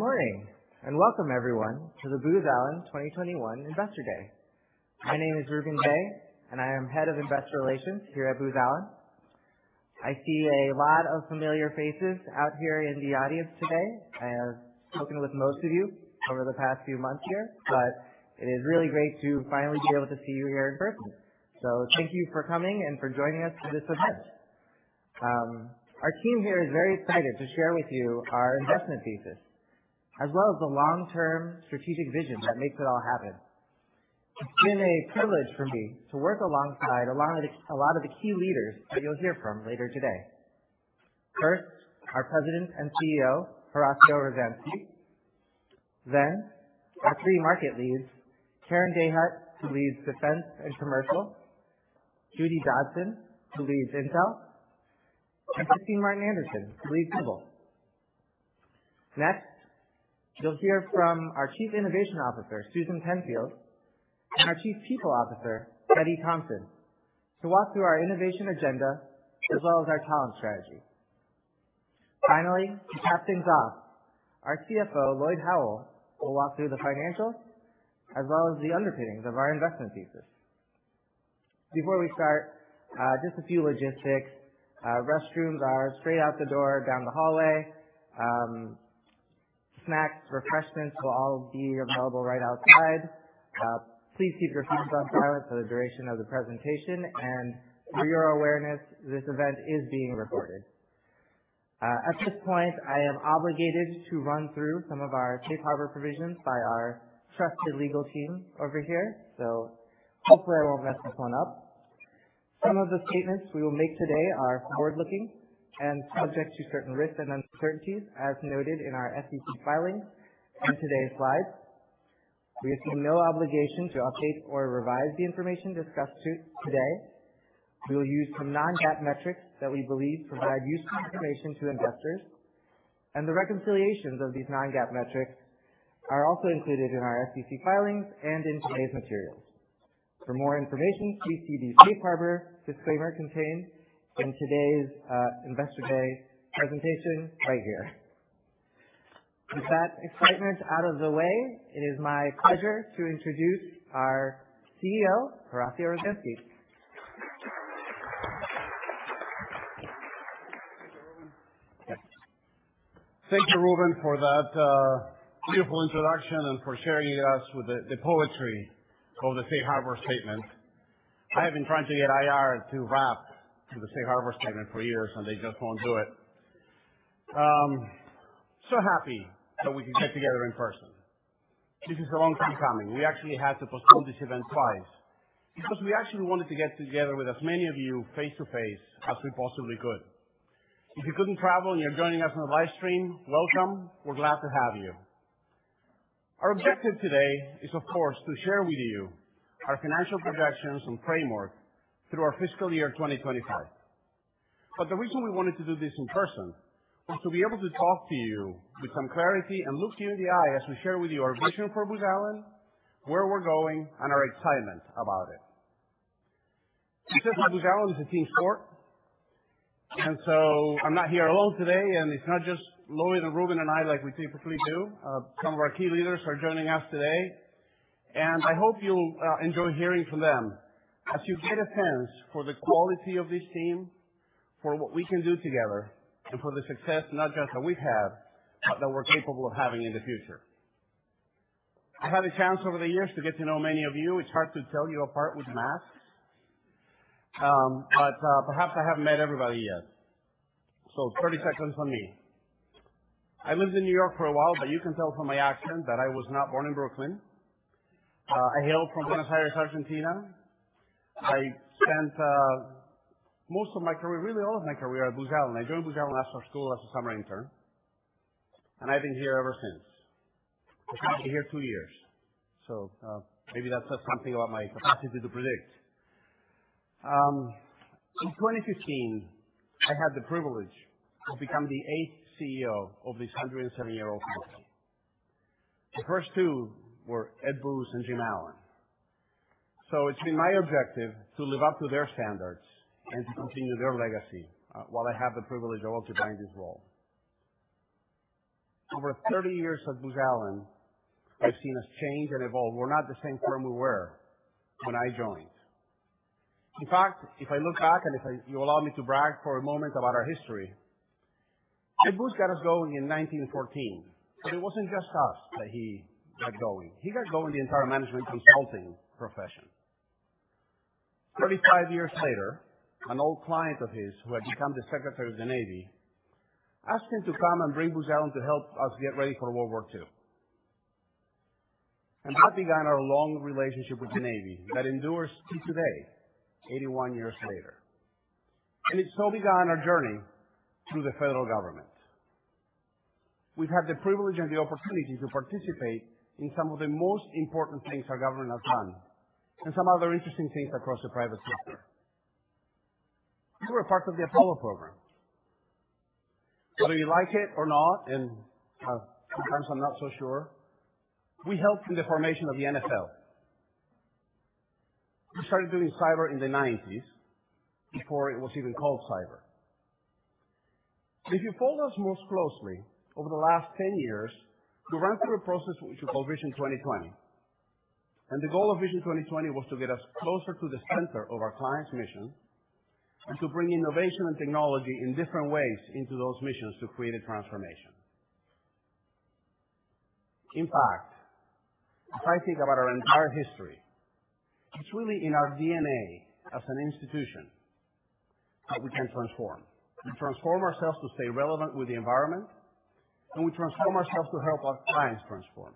Morning, and welcome everyone to the Booz Allen 2021 Investor Day. My name is Rubun Dey, and I am Head of Investor Relations here at Booz Allen. I see a lot of familiar faces out here in the audience today. I have spoken with most of you over the past few months here, but it is really great to finally be able to see you here in person. Thank you for coming and for joining us for this event. Our team here is very excited to share with you our investment thesis, as well as the long-term strategic vision that makes it all happen. It's been a privilege for me to work alongside a lot of the key leaders that you'll hear from later today. First, our President and CEO, Horacio Rozanski. Our three market leads, Karen Dahut, who leads Defense and Commercial, Judi Dotson, who leads Intel, and Kristine Martin Anderson, who leads Civil Sector. Next, you'll hear from our Chief Innovation Officer, Susan Penfield, and our Chief People Officer, Betty Thompson, to walk through our innovation agenda as well as our talent strategy. Finally, to cap things off, our CFO, Lloyd Howell, will walk through the financials as well as the underpinnings of our investment thesis. Before we start, just a few logistics. Restrooms are straight out the door down the hallway. Snacks, refreshments will all be available right outside. Please keep your phones on silent for the duration of the presentation. For your awareness, this event is being recorded. At this point, I am obligated to run through some of our safe harbor provisions by our trusted legal team over here, so hopefully I won't mess this one up. Some of the statements we will make today are forward-looking and subject to certain risks and uncertainties, as noted in our SEC filings and today's slides. We assume no obligation to update or revise the information discussed today. We will use some non-GAAP metrics that we believe provide useful information to investors, and the reconciliations of these non-GAAP metrics are also included in our SEC filings and in today's materials. For more information, please see the safe harbor disclaimer contained in today's Investor Day presentation right here. With that excitement out of the way, it is my pleasure to introduce our CEO, Horacio Rozanski. Thank you, Rubun, for that beautiful introduction and for sharing us with the poetry of the safe harbor statement. I have been trying to get IR to rap to the safe harbor statement for years, they just won't do it. Happy that we can get together in person. This is a long time coming. We actually had to postpone this event twice because we actually wanted to get together with as many of you face-to-face as we possibly could. If you couldn't travel and you're joining us on the live stream, welcome. We're glad to have you. Our objective today is, of course, to share with you our financial projections and framework through our fiscal year 2025. The reason we wanted to do this in person was to be able to talk to you with some clarity and look you in the eye as we share with you our vision for Booz Allen, where we're going, and our excitement about it. Successful Booz Allen is a team sport, and so I'm not here alone today, and it's not just Lloyd and Rubun and I like we typically do. Some of our key leaders are joining us today, and I hope you'll enjoy hearing from them as you get a sense for the quality of this team, for what we can do together, and for the success not just that we've had, but that we're capable of having in the future. I've had a chance over the years to get to know many of you. It's hard to tell you apart with masks. Perhaps I haven't met everybody yet. 30 seconds on me. I lived in New York for a while, but you can tell from my accent that I was not born in Brooklyn. I hail from Buenos Aires, Argentina. I spent most of my career, really all of my career at Booz Allen. I joined Booz Allen after school as a summer intern, and I've been here ever since. I came here two years, maybe that says something about my capacity to predict. In 2015, I had the privilege to become the eighth CEO of this 107-year-old company. The first two were Ed Booz and Jim Allen. It's been my objective to live up to their standards and to continue their legacy, while I have the privilege of holding this role. Over 30 years at Booz Allen, I've seen us change and evolve. We're not the same firm we were when I joined. In fact, if I look back, if you allow me to brag for a moment about our history, Ed Booz got us going in 1914, it wasn't just us that he got going. He got going the entire management consulting profession. 35 years later, an old client of his, who had become the Secretary of the Navy, asked him to come and bring Booz Allen to help us get ready for World War II. That began our long relationship with the Navy that endures to today, 81 years later. It so began our journey through the federal government. We've had the privilege and the opportunity to participate in some of the most important things our government has done and some other interesting things across the private sector. We were a part of the Apollo program. Whether you like it or not, and sometimes I'm not so sure, we helped in the formation of the NFL. We started doing cyber in the 1990s before it was even called cyber. If you followed us most closely over the last 10 years, we ran through a process which we call Vision 2020. The goal of Vision 2020 was to get us closer to the center of our clients' mission and to bring innovation and technology in different ways into those missions to create a transformation. In fact, if I think about our entire history, it's really in our DNA as an institution that we can transform. We transform ourselves to stay relevant with the environment, and we transform ourselves to help our clients transform.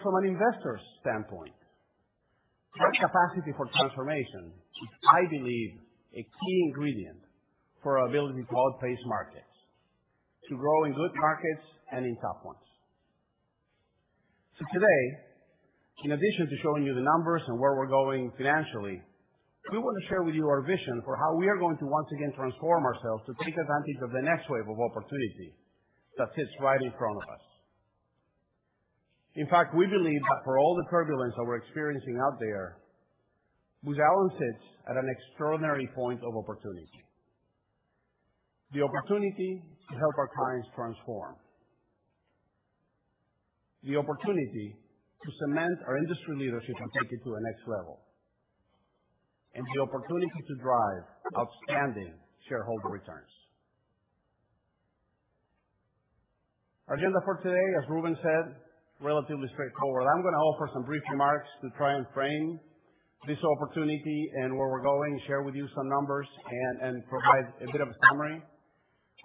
From an investor's standpoint, that capacity for transformation is, I believe, a key ingredient for our ability to outpace markets, to grow in good markets and in tough ones. Today, in addition to showing you the numbers and where we're going financially, we want to share with you our vision for how we are going to once again transform ourselves to take advantage of the next wave of opportunity that sits right in front of us. In fact, we believe that for all the turbulence that we're experiencing out there, Booz Allen sits at an extraordinary point of opportunity. The opportunity to help our clients transform. The opportunity to cement our industry leadership and take it to a next level. The opportunity to drive outstanding shareholder returns. Agenda for today, as Rubun said, relatively straightforward. I'm gonna offer some brief remarks to try and frame this opportunity and where we're going, share with you some numbers and provide a bit of a summary.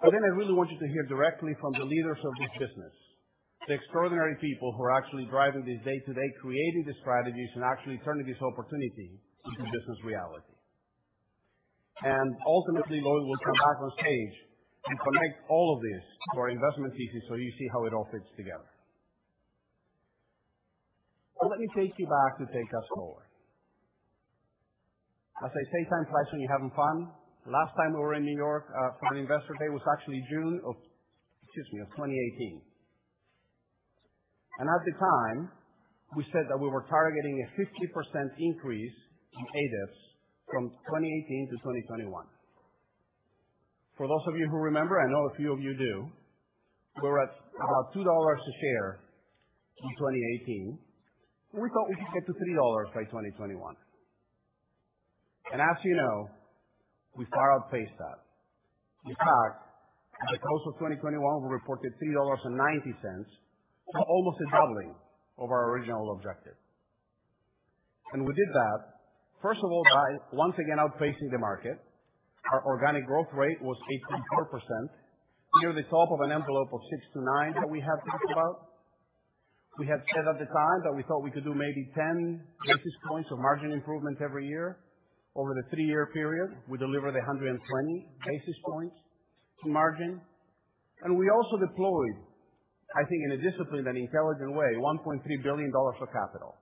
Then I really want you to hear directly from the leaders of this business, the extraordinary people who are actually driving this day-to-day, creating the strategies, and actually turning this opportunity into business reality. Ultimately, Lloyd will come back on stage and connect all of this to our investment thesis, so you see how it all fits together. Let me take you back to take us forward. As they say, time flies when you're having fun. Last time we were in New York for an Investor Day was actually June of, excuse me, 2018. At the time, we said that we were targeting a 50% increase in ADEPS from 2018 to 2021. For those of you who remember, I know a few of you do, we were at about $2 a share in 2018, and we thought we could get to $3 by 2021. As you know, we far outpaced that. In fact, at the close of 2021, we reported $3.90, almost a doubling of our original objective. We did that, first of all, by once again outpacing the market. Our organic growth rate was 18.4%, near the top of an envelope of six-nine that we had talked about. We had said at the time that we thought we could do maybe 10 basis points of margin improvement every year over the three year period. We delivered 120 basis points to margin. We also deployed, I think in a disciplined and intelligent way, $1.3 billion of capital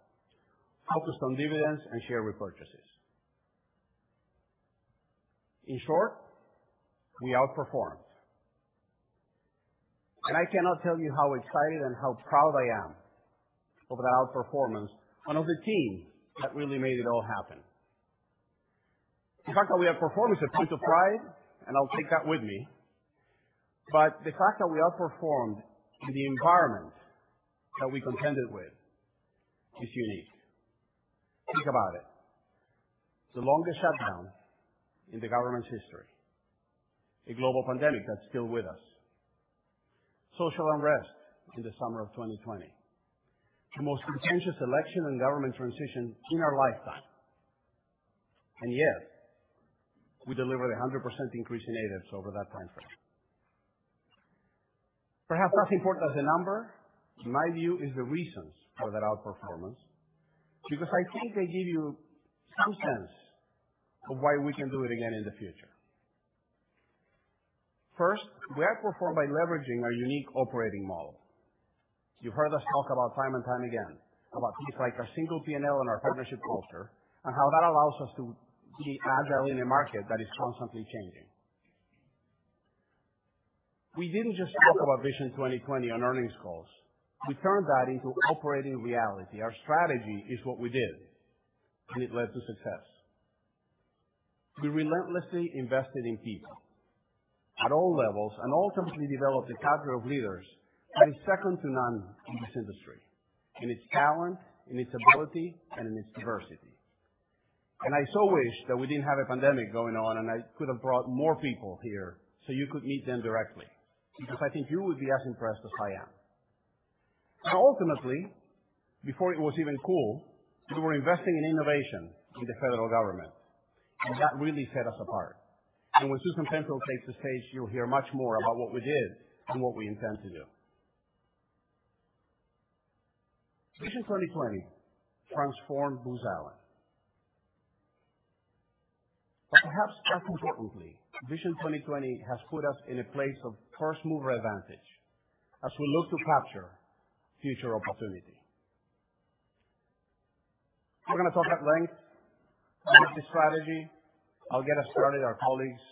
out of some dividends and share repurchases. In short, we outperformed. I cannot tell you how excited and how proud I am over that outperformance and of the team that really made it all happen. The fact that we outperformed is a point of pride, and I'll take that with me. The fact that we outperformed in the environment that we contended with is unique. Think about it. The longest shutdown in the government's history, a global pandemic that's still with us, social unrest in the summer of 2020, the most contentious election and government transition in our lifetime. Yet we delivered a 100% increase in ADEPS over that timeframe. Perhaps as important as the number, in my view, is the reasons for that outperformance, because I think they give you some sense of why we can do it again in the future. First, we outperformed by leveraging our unique operating model. You've heard us talk about time and time again about things like our single P&L and our partnership culture, and how that allows us to be agile in a market that is constantly changing. We didn't just talk about Vision 2020 on earnings calls. We turned that into operating reality. Our strategy is what we did, and it led to success. We relentlessly invested in people at all levels and ultimately developed a cadre of leaders that is second to none in this industry, in its talent, in its ability, and in its diversity. I so wish that we didn't have a pandemic going on, and I could have brought more people here, so you could meet them directly, because I think you would be as impressed as I am. Ultimately, before it was even cool, we were investing in innovation with the federal government, and that really set us apart. When Susan Penfield takes the stage, you'll hear much more about what we did and what we intend to do. Vision 2020 transformed Booz Allen. Perhaps as importantly, Vision 2020 has put us in a place of first-mover advantage as we look to capture future opportunity. We're gonna talk at length. That's the strategy. I'll get us started. Our colleagues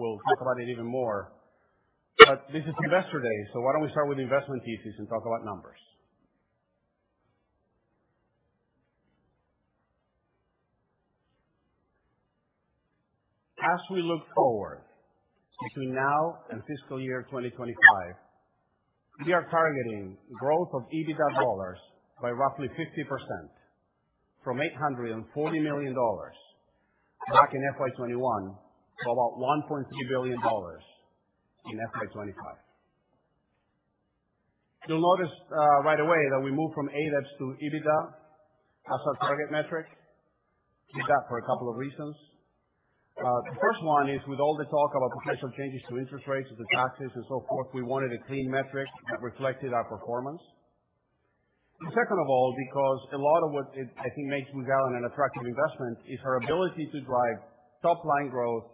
will talk about it even more. This is Investor Day, so why don't we start with investment thesis and talk about numbers. As we look forward between now and fiscal year 2025, we are targeting growth of EBITDA dollars by roughly 50% from $840 million back in FY 2021 to about $1.3 billion in FY 2025. You'll notice right away that we moved from ADEPS to EBITDA as our target metric. We did that for a couple of reasons. The first one is with all the talk about potential changes to interest rates and taxes and so forth, we wanted a clean metric that reflected our performance. Second of all, because a lot of what, I think, makes Booz Allen an attractive investment is her ability to drive top-line growth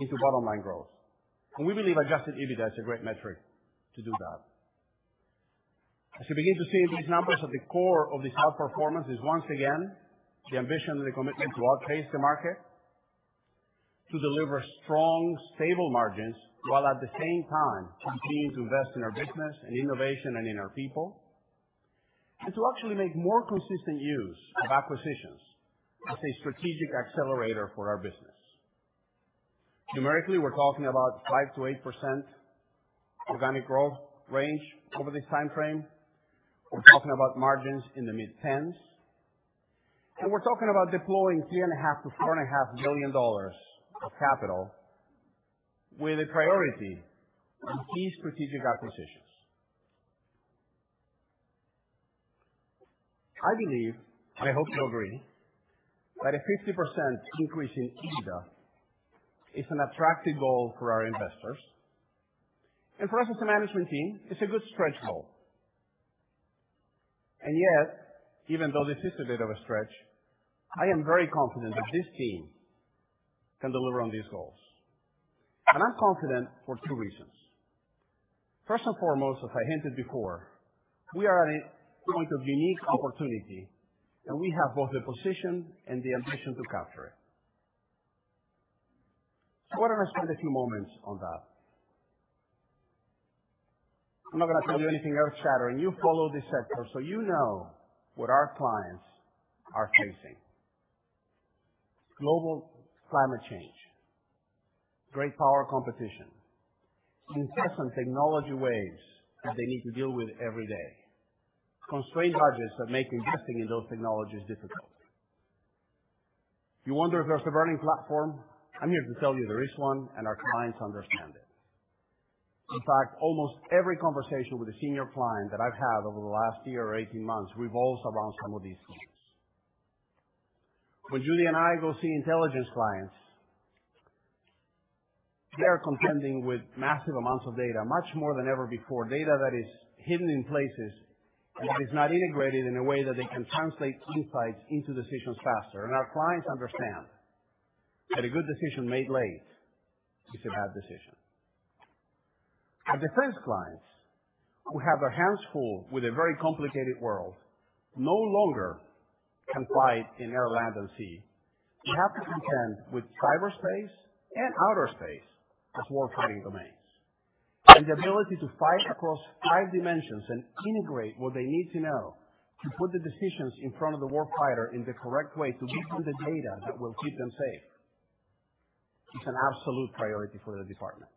into bottom-line growth. We believe adjusted EBITDA is a great metric to do that. As you begin to see these numbers, at the core of this outperformance is once again the ambition and the commitment to outpace the market, to deliver strong, stable margins, while at the same time continuing to invest in our business, in innovation, and in our people. To actually make more consistent use of acquisitions as a strategic accelerator for our business. Numerically, we're talking about 5%-8% organic growth range over this timeframe. We're talking about margins in the mid-tens. We're talking about deploying $3.5 billion-$4.5 billion of capital with a priority on key strategic acquisitions. I believe, and I hope you agree, that a 50% increase in EBITDA is an attractive goal for our investors. For us as a management team, it's a good stretch goal. Yet, even though this is a bit of a stretch, I am very confident that this team can deliver on these goals. I'm confident for two reasons. First and foremost, as I hinted before, we are at a point of unique opportunity, and we have both the position and the ambition to capture it. Why don't I spend a few moments on that? I'm not gonna tell you anything earth-shattering. You follow this sector, so you know what our clients are facing. Global climate change, great power competition, incessant technology waves that they need to deal with every day, constrained budgets that make investing in those technologies difficult. You wonder if there's a burning platform, I'm here to tell you there is one, and our clients understand it. In fact, almost every conversation with a senior client that I've had over the last year or 18 months revolves around some of these themes. When Judi and I go see intelligence clients, they are contending with massive amounts of data, much more than ever before. Data that is hidden in places and that is not integrated in a way that they can translate insights into decisions faster. Our clients understand that a good decision made late is a bad decision. Our defense clients, who have their hands full with a very complicated world, no longer can fight in air, land, and sea. They have to contend with cyberspace and outer space as warfighting domains. The ability to fight across five dimensions and integrate what they need to know to put the decisions in front of the warfighter in the correct way to give them the data that will keep them safe is an absolute priority for the department.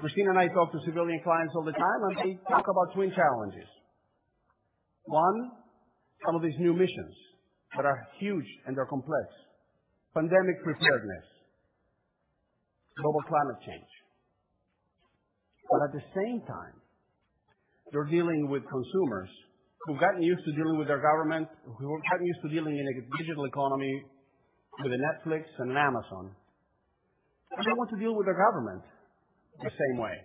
Kristine and I talk to civilian clients all the time, and they talk about twin challenges. one, some of these new missions that are huge and they're complex. Pandemic preparedness, global climate change. At the same time, they're dealing with consumers who've gotten used to dealing with their government, who have gotten used to dealing in a digital economy with a Netflix and an Amazon, and they want to deal with their government the same way.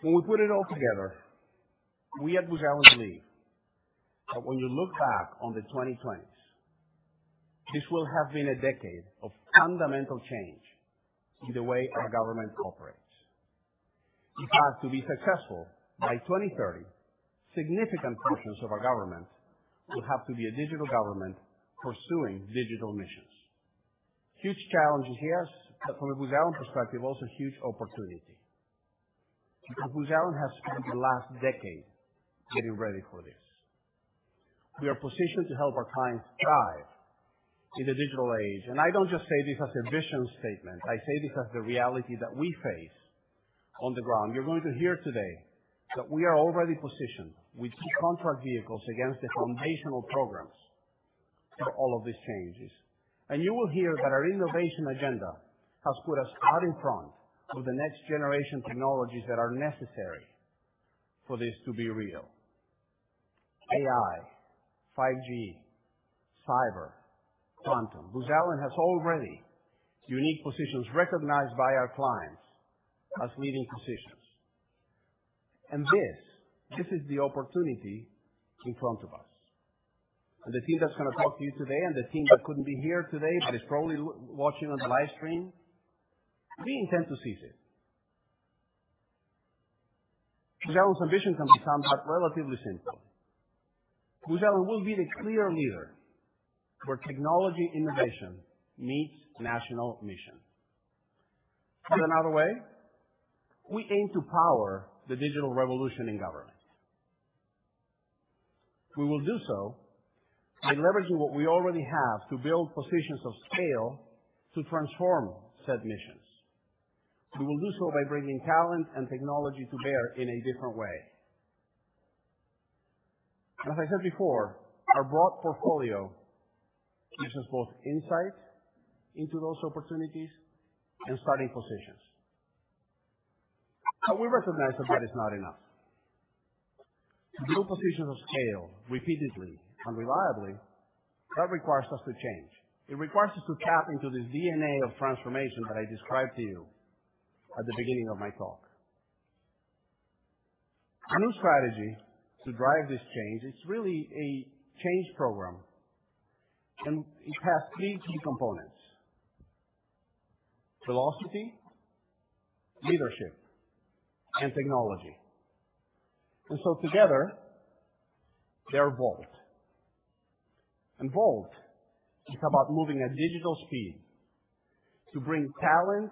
When we put it all together, we at Booz Allen believe that when you look back on the 2020s, this will have been a decade of fundamental change in the way our government operates. In fact, to be successful by 2030, significant portions of our government will have to be a digital government pursuing digital missions. Huge challenges here, from a Booz Allen perspective, also huge opportunity. Booz Allen has spent the last decade getting ready for this. We are positioned to help our clients thrive in the digital age. I don't just say this as a vision statement, I say this as the reality that we face on the ground. You're going to hear today that we are already positioned with contract vehicles against the foundational programs for all of these changes. You will hear that our innovation agenda has put us out in front of the next-generation technologies that are necessary for this to be real. AI, 5G, cyber, quantum. Booz Allen has already unique positions recognized by our clients as leading positions. This is the opportunity in front of us. The team that's gonna talk to you today, and the team that couldn't be here today, but is probably watching on the live stream, we intend to seize it. Booz Allen's ambition can be summed up relatively simply. Booz Allen will be the clear leader where technology innovation meets national mission. Put another way, we aim to power the digital revolution in government. We will do so by leveraging what we already have to build positions of scale to transform said missions. We will do so by bringing talent and technology to bear in a different way. As I said before, our broad portfolio gives us both insight into those opportunities and starting positions. We recognize that that is not enough. To build positions of scale repeatedly and reliably, that requires us to change. It requires us to tap into the DNA of transformation that I described to you at the beginning of my talk. Our new strategy to drive this change is really a change program, and it has three key components: velocity, leadership, and technology. Together, they're VoLT. VoLT is about moving at digital speed to bring talent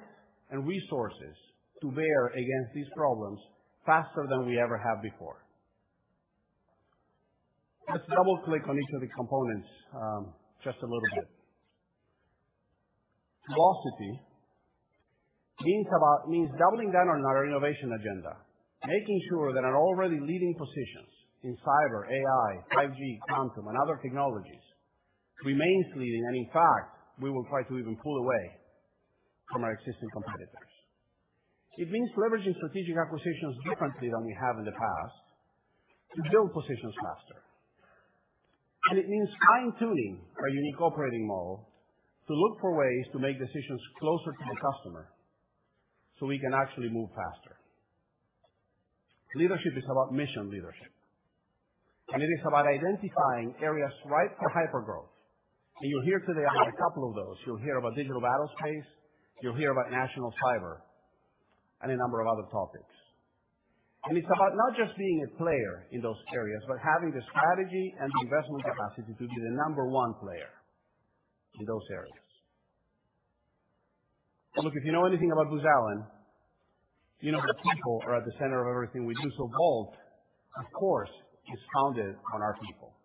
and resources to bear against these problems faster than we ever have before. Let's double-click on each of the components, just a little bit. Velocity means doubling down on our innovation agenda, making sure that our already leading positions in cyber, AI, 5G, quantum, and other technologies remains leading, and in fact, we will try to even pull away from our existing competitors. It means leveraging strategic acquisitions differently than we have in the past to build positions faster. It means fine-tuning our unique operating model to look for ways to make decisions closer to the customer, so we can actually move faster. Leadership is about mission leadership, and it is about identifying areas ripe for hypergrowth. You'll hear today about a couple of those. You'll hear about digital battlespace, you'll hear about national cyber, and a number of other topics. It's about not just being a player in those areas, but having the strategy and the investment capacity to be the number 1 player in those areas. Look, if you know anything about Booz Allen, you know that people are at the center of everything we do. VoLT, of course, is founded on our people.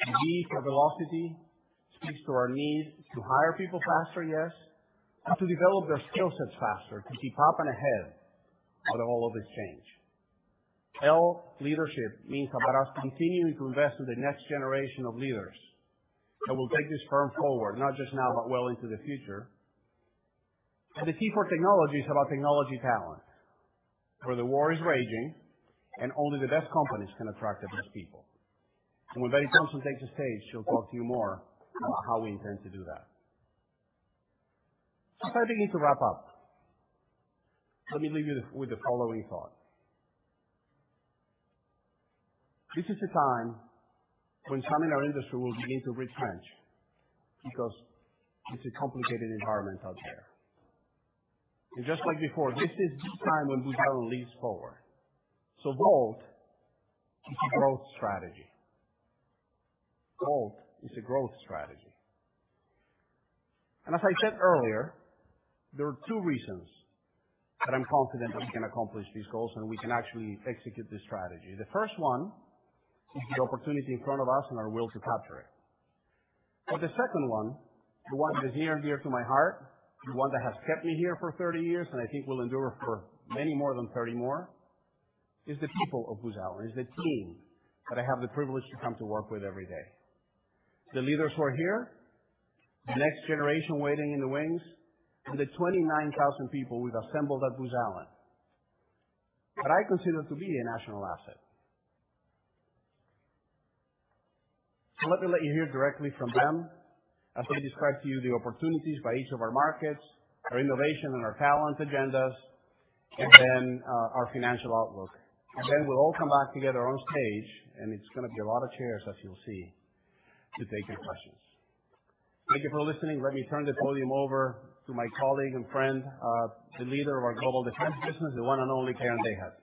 V for velocity speaks to our need to hire people faster, yes, and to develop their skill sets faster to keep up and ahead out of all of this change. L, leadership, means about us continuing to invest in the next generation of leaders that will take this firm forward, not just now, but well into the future. The T for technology is about technology talent, where the war is raging and only the best companies can attract the best people. When Betty Thompson takes the stage, she'll talk to you more about how we intend to do that. As I begin to wrap up, let me leave you with the following thought. This is a time when some in our industry will begin to retrench because it's a complicated environment out there. Just like before, this is the time when Booz Allen leaps forward. VoLT is a growth strategy. As I said earlier, there are two reasons that I'm confident that we can accomplish these goals and we can actually execute this strategy. The first one is the opportunity in front of us and our will to capture it. The second one, the one that is near and dear to my heart, the one that has kept me here for 30 years and I think will endure for many more than 30 more, is the people of Booz Allen, is the team that I have the privilege to come to work with every day. The leaders who are here, the next generation waiting in the wings, and the 29,000 people we've assembled at Booz Allen that I consider to be a national asset. Let me let you hear directly from them as they describe to you the opportunities by each of our markets, our innovation and our talent agendas, and then, our financial outlook. Then we'll all come back together on stage, and it's gonna be a lot of chairs as you'll see, to take your questions. Thank you for listening. Let me turn the podium over to my colleague and friend, the leader of our Global Defense Business, the one and only Karen Dahut.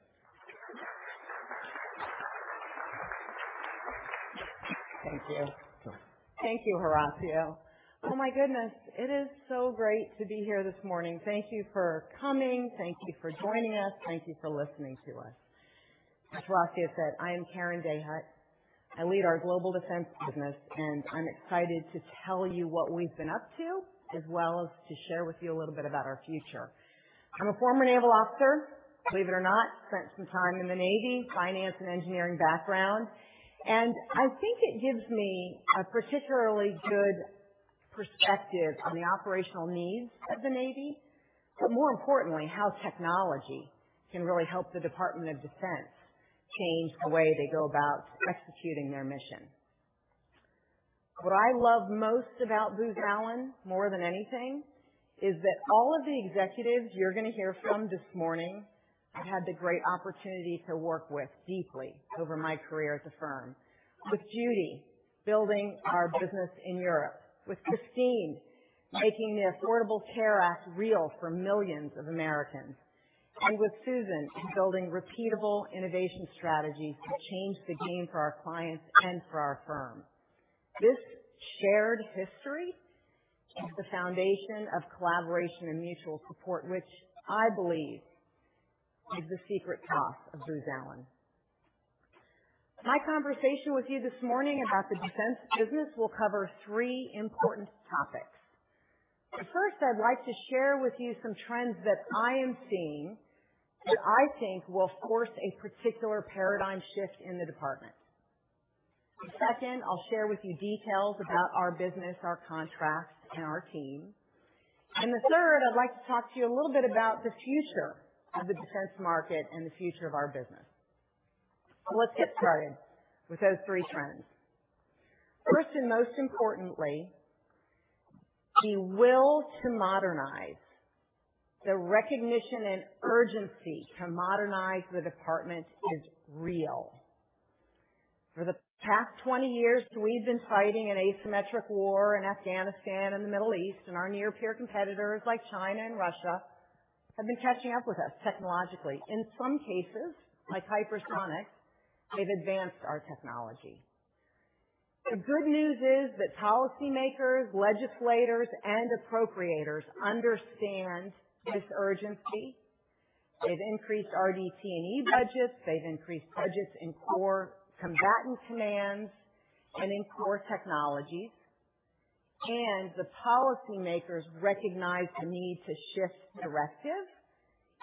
Thank you. Thank you, Horacio. Oh, my goodness, it is so great to be here this morning. Thank you for coming. Thank you for joining us. Thank you for listening to us. As Horacio said, I am Karen Dahut. I lead our Global Defense Business, and I'm excited to tell you what we've been up to, as well as to share with you a little bit about our future. I'm a former naval officer, believe it or not, spent some time in the Navy, finance and engineering background. I think it gives me a particularly good perspective on the operational needs of the Navy, but more importantly, how technology can really help the Department of Defense change the way they go about executing their mission. What I love most about Booz Allen more than anything is that all of the executives you're gonna hear from this morning, I've had the great opportunity to work with deeply over my career at the firm. With Judi building our business in Europe, with Kristine, making the Affordable Care Act real for millions of Americans. With Susan, building repeatable innovation strategies to change the game for our clients and for our firm. This shared history is the foundation of collaboration and mutual support, which I believe is the secret sauce of Booz Allen. My conversation with you this morning about the defense business will cover three important topics. First, I'd like to share with you some trends that I am seeing that I think will force a particular paradigm shift in the department. Second, I'll share with you details about our business, our contracts, and our team. The third, I'd like to talk to you a little bit about the future of the defense market and the future of our business. Let's get started with those three trends. First, and most importantly, the will to modernize. The recognition and urgency to modernize the department is real. For the past 20 years, we've been fighting an asymmetric war in Afghanistan and the Middle East, and our near peer competitors like China and Russia have been catching up with us technologically. In some cases, like hypersonic, they've advanced our technology. The good news is that policymakers, legislators, and appropriators understand this urgency. They've increased RDT&E budgets. They've increased budgets in core combatant commands and in core technologies. The policymakers recognize the need to shift directive.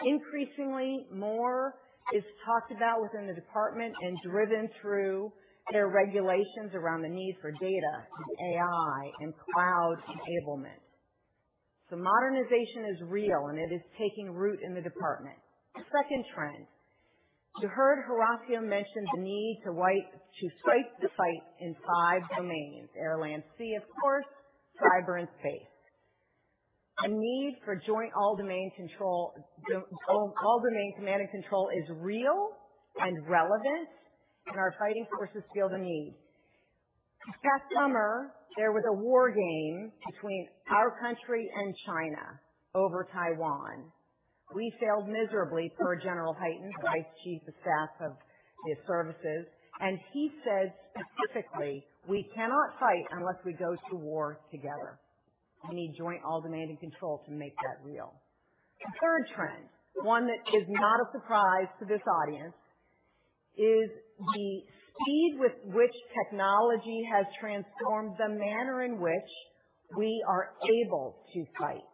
Increasingly, more is talked about within the department and driven through their regulations around the need for data and AI and cloud enablement. Modernization is real, and it is taking root in the department. Second trend. You heard Horacio mention the need to swipe the fight in five domains: air, land, sea, of course, cyber, and space. A need for joint, all-domain control, all domain command and control is real and relevant, and our fighting forces feel the need. This past summer, there was a war game between our country and China over Taiwan. We failed miserably, per General Hyten, the Vice Chief of Staff of his services, and he said specifically, "We cannot fight unless we go to war together." We need joint, all-domain and control to make that real. The third trend, one that is not a surprise to this audience, is the speed with which technology has transformed the manner in which we are able to fight.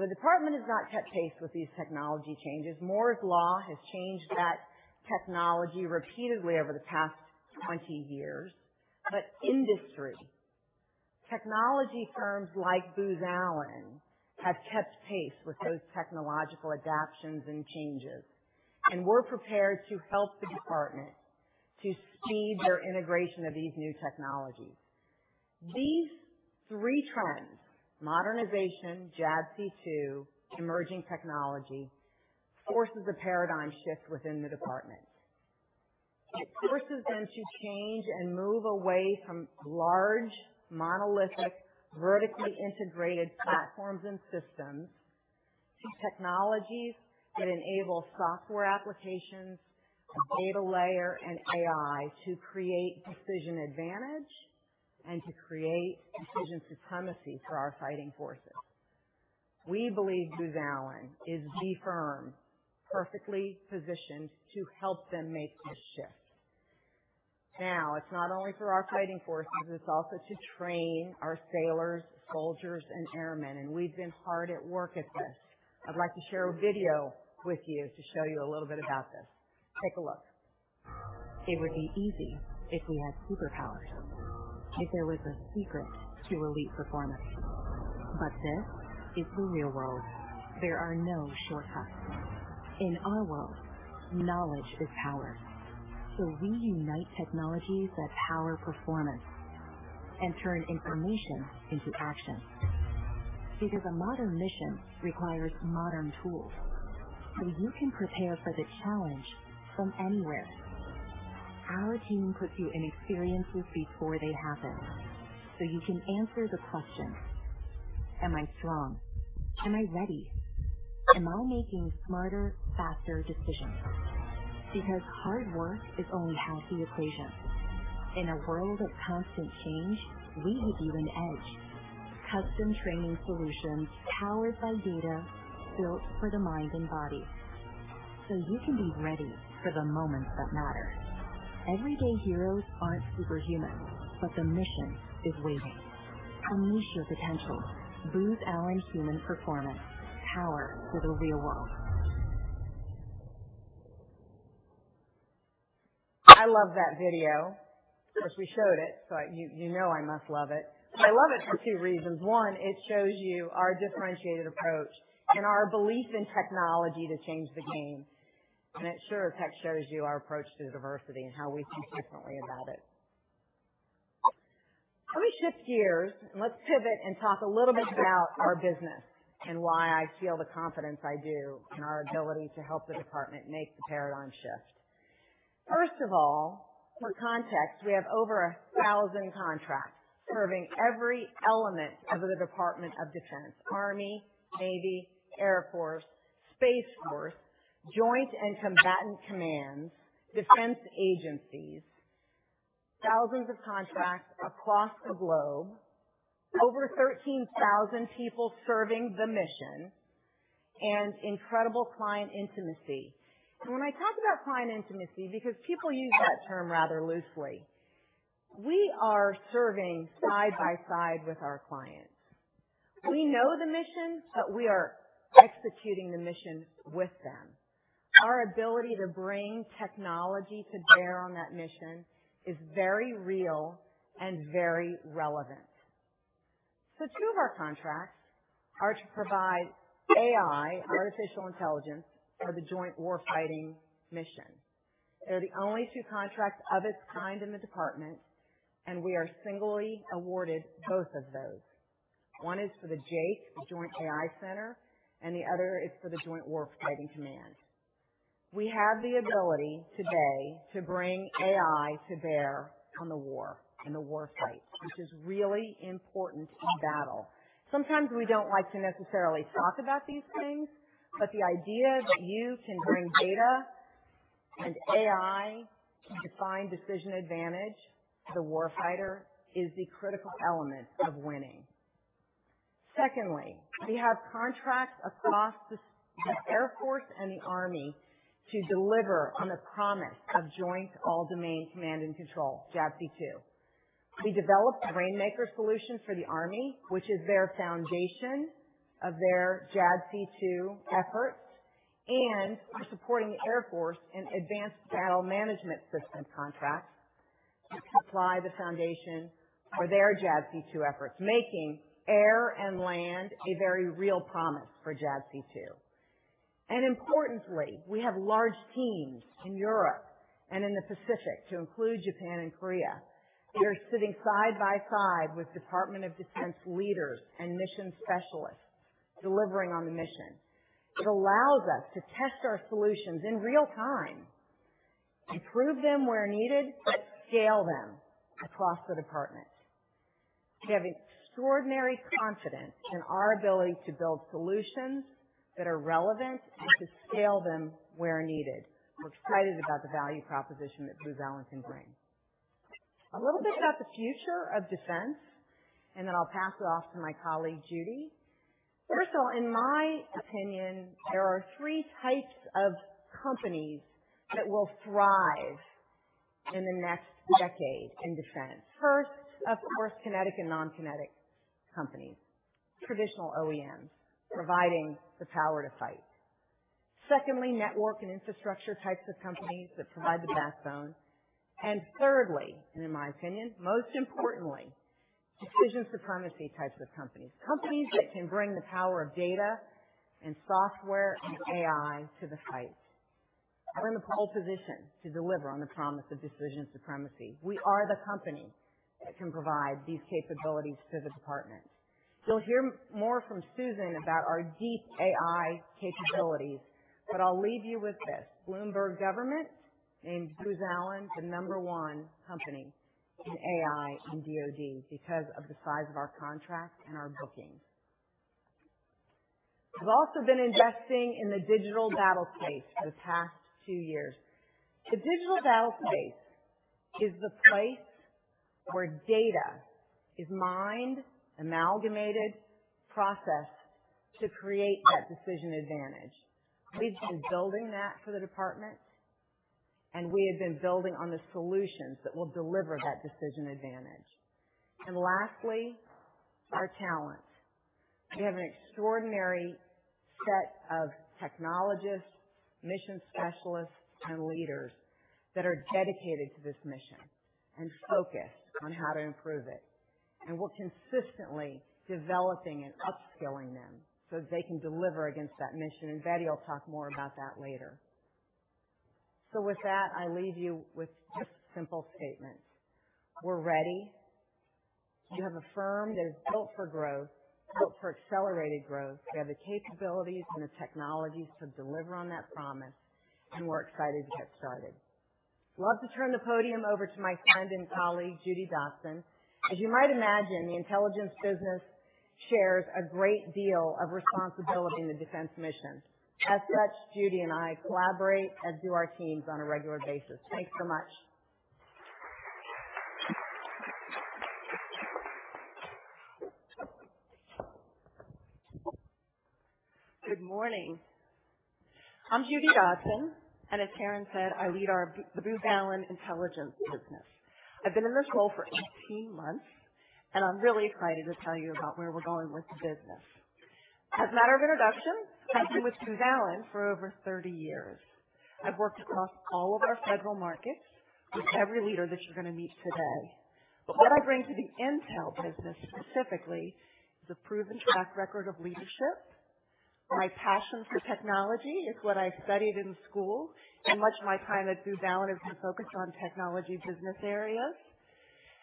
The Department has not kept pace with these technology changes. Moore's Law has changed that technology repeatedly over the past 20 years. Industry, technology firms like Booz Allen, have kept pace with those technological adaptions and changes, and we're prepared to help the Department to speed their integration of these new technologies. These three trends, modernization, JADC2, emerging technology, forces a paradigm shift within the Department. It forces them to change and move away from large, monolithic, vertically integrated platforms and systems to technologies that enable software applications, a data layer, and AI to create decision advantage and to create decision supremacy for our fighting forces. We believe Booz Allen is the firm perfectly positioned to help them make this shift. It's not only for our fighting forces, it's also to train our sailors, soldiers, and airmen, and we've been hard at work at this. I'd like to share a video with you to show you a little bit about this. Take a look. It would be easy if we had superpowers, if there was a secret to elite performance. This is the real world. There are no shortcuts. In our world, knowledge is power. We unite technologies that power performance and turn information into action. A modern mission requires modern tools, so you can prepare for the challenge from anywhere. Our team puts you in experiences before they happen, so you can answer the question, "Am I strong? Am I ready? Am I making smarter, faster decisions?" Hard work is only half the equation. In a world of constant change, we give you an edge. Custom training solutions powered by data built for the mind and body, so you can be ready for the moments that matter. Everyday heroes aren't superhuman, but the mission is waiting. Unleash your potential. Booz Allen Human Performance. Power for the real world. I love that video. Of course, we showed it, so you know I must love it. I love it for two reasons. One, it shows you our differentiated approach and our belief in technology to change the game. It sure as heck shows you our approach to diversity and how we think differently about it. Let me shift gears, and let's pivot and talk a little bit about our business and why I feel the confidence I do in our ability to help the Department of Defense make the paradigm shift. First of all, for context, we have over 1,000 contracts serving every element of the Department of Defense, Army, Navy, Air Force, Space Force, joint and combatant commands, defense agencies, thousands of contracts across the globe, over 13,000 people serving the mission, and incredible client intimacy. When I talk about client intimacy, because people use that term rather loosely, we are serving side by side with our clients. We know the mission, but we are executing the mission with them. Our ability to bring technology to bear on that mission is very real and very relevant. Two of our contracts are to provide AI, artificial intelligence, for the joint warfighting mission. They're the only two contracts of its kind in the department, and we are singly awarded both of those. One is for the JAIC, the Joint AI Center, and the other is for the Joint Warfighting Command. We have the ability today to bring AI to bear on the war and the war fight, which is really important in battle. Sometimes we don't like to necessarily talk about these things, the idea that you can bring data and AI to define decision advantage to the warfighter is the critical element of winning. Secondly, we have contracts across the Air Force and the Army to deliver on the promise of joint all-domain command and control, JADC2. We developed the Rainmaker solution for the Army, which is their foundation of their JADC2 efforts, and we're supporting the Air Force in Advanced Battle Management Systems contracts to apply the foundation for their JADC2 efforts, making air and land a very real promise for JADC2. Importantly, we have large teams in Europe and in the Pacific to include Japan and Korea. They're sitting side by side with Department of Defense leaders and mission specialists delivering on the mission. It allows us to test our solutions in real time, improve them where needed, but scale them across the department. We have extraordinary confidence in our ability to build solutions that are relevant and to scale them where needed. We're excited about the value proposition that Booz Allen can bring. A little bit about the future of defense, then I'll pass it off to my colleague, Judi. First of all, in my opinion, there are 3 types of companies that will thrive in the next decade in defense. First, of course, kinetic and non-kinetic companies, traditional OEMs providing the power to fight. Secondly, network and infrastructure types of companies that provide the backbone. Thirdly, in my opinion, most importantly, decision supremacy types of companies. Companies that can bring the power of data and software and AI to the fight. We're in the pole position to deliver on the promise of decision supremacy. We are the company that can provide these capabilities to the department. You'll hear more from Susan about our deep AI capabilities, but I'll leave you with this. Bloomberg Government named Booz Allen the number 1 company in AI in DoD because of the size of our contracts and our bookings. We've also been investing in the digital battlespace for the past two years. The digital battlespace is the place where data is mined, amalgamated, processed to create that decision advantage. We've been building that for the department, we have been building on the solutions that will deliver that decision advantage. Lastly, our talent. We have an extraordinary set of technologists, mission specialists, and leaders that are dedicated to this mission and focused on how to improve it. We're consistently developing and upskilling them so that they can deliver against that mission, Betty Thompson will talk more about that later. With that, I leave you with just simple statements. We're ready. You have a firm that is built for growth, built for accelerated growth. We have the capabilities and the technologies to deliver on that promise, and we're excited to get started. Love to turn the podium over to my friend and colleague, Judi Dotson. As you might imagine, the intelligence business shares a great deal of responsibility in the defense mission. As such, Judi and I collaborate, as do our teams, on a regular basis. Thanks so much. Good morning. I'm Judi Dotson, and as Karen Dahut said, I lead our Booz Allen intelligence business. I've been in this role for 18 months, and I'm really excited to tell you about where we're going with the business. As a matter of introduction, I've been with Booz Allen for over 30 years. I've worked across all of our federal markets with every leader that you're gonna meet today. What I bring to the intel business specifically is a proven track record of leadership. My passion for technology is what I studied in school, and much of my time at Booz Allen has been focused on technology business areas.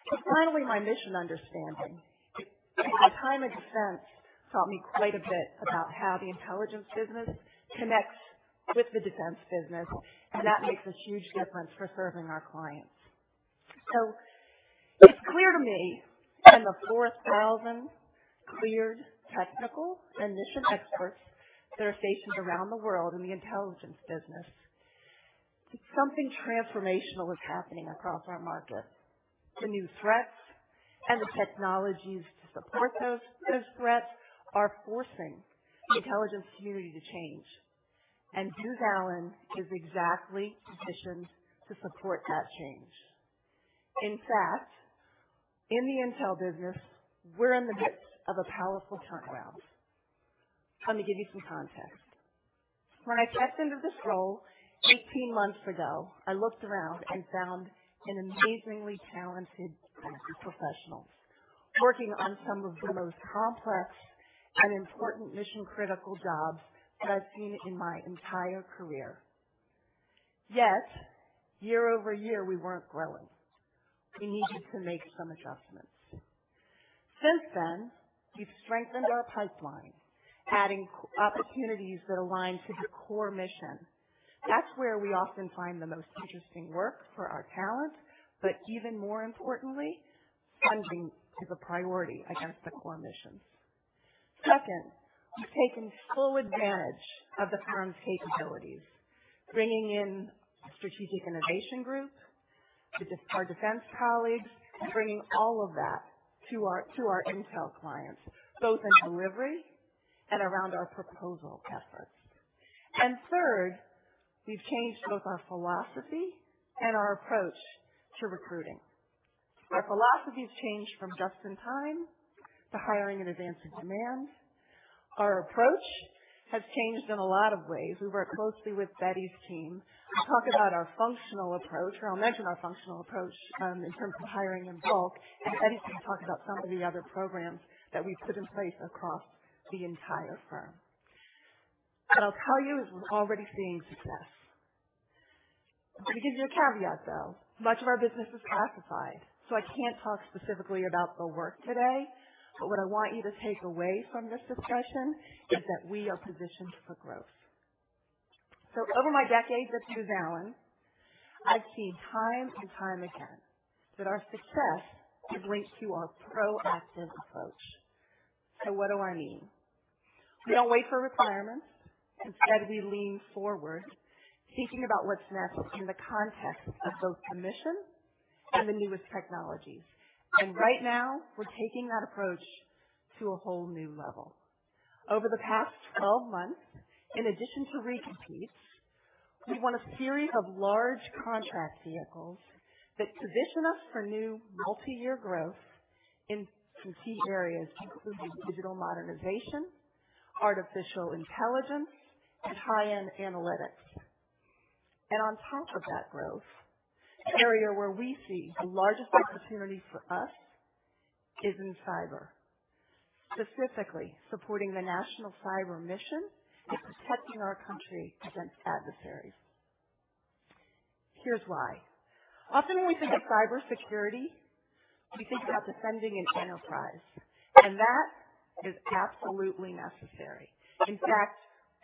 Finally, my mission understanding. My time at Defense taught me quite a bit about how the intelligence business connects with the defense business, and that makes a huge difference for serving our clients. It's clear to me and the 4,000 cleared technical and mission experts that are stationed around the world in the intelligence business that something transformational is happening across our market. The new threats and the technologies to support those threats are forcing the intelligence community to change. Booz Allen is exactly positioned to support that change. In fact, in the intel business, we're in the midst of a powerful turnaround. Let me give you some context. When I stepped into this role 18 months ago, I looked around and found an amazingly talented group of professionals working on some of the most complex and important mission-critical jobs that I've seen in my entire career. Yet year-over-year, we weren't growing. We needed to make some adjustments. Since then, we've strengthened our pipeline, adding opportunities that align to the core mission. That's where we often find the most interesting work for our talent, but even more importantly, funding is a priority against the core missions. Second, we've taken full advantage of the firm's capabilities, bringing in Strategic Innovation Group to our defense colleagues, bringing all of that to our intel clients, both in delivery and around our proposal efforts. Third, we've changed both our philosophy and our approach to recruiting. Our philosophy has changed from just in time to hiring in advance of demand. Our approach has changed in a lot of ways. We work closely with Betty's team to talk about our functional approach, or I'll mention our functional approach, in terms of hiring in bulk. Betty can talk about some of the other programs that we've put in place across the entire firm. I'll tell you, we're already seeing success. Let me give you a caveat, though. Much of our business is classified, so I can't talk specifically about the work today. What I want you to take away from this discussion is that we are positioned for growth. Over my decades at Booz Allen, I've seen time and time again that our success is linked to our proactive approach. What do I mean? We don't wait for requirements. Instead, we lean forward thinking about what's next in the context of both the mission and the newest technologies. Right now, we're taking that approach to a whole new level. Over the past 12 months, in addition to re-competes, we won a series of large contract vehicles that position us for new multi-year growth in key areas, including digital modernization, artificial intelligence, and high-end analytics. On top of that growth, the area where we see the largest opportunity for us is in cyber, specifically supporting the national cyber mission and protecting our country against adversaries. Here's why. Often when we think of cybersecurity, we think about defending an enterprise, and that is absolutely necessary. In fact,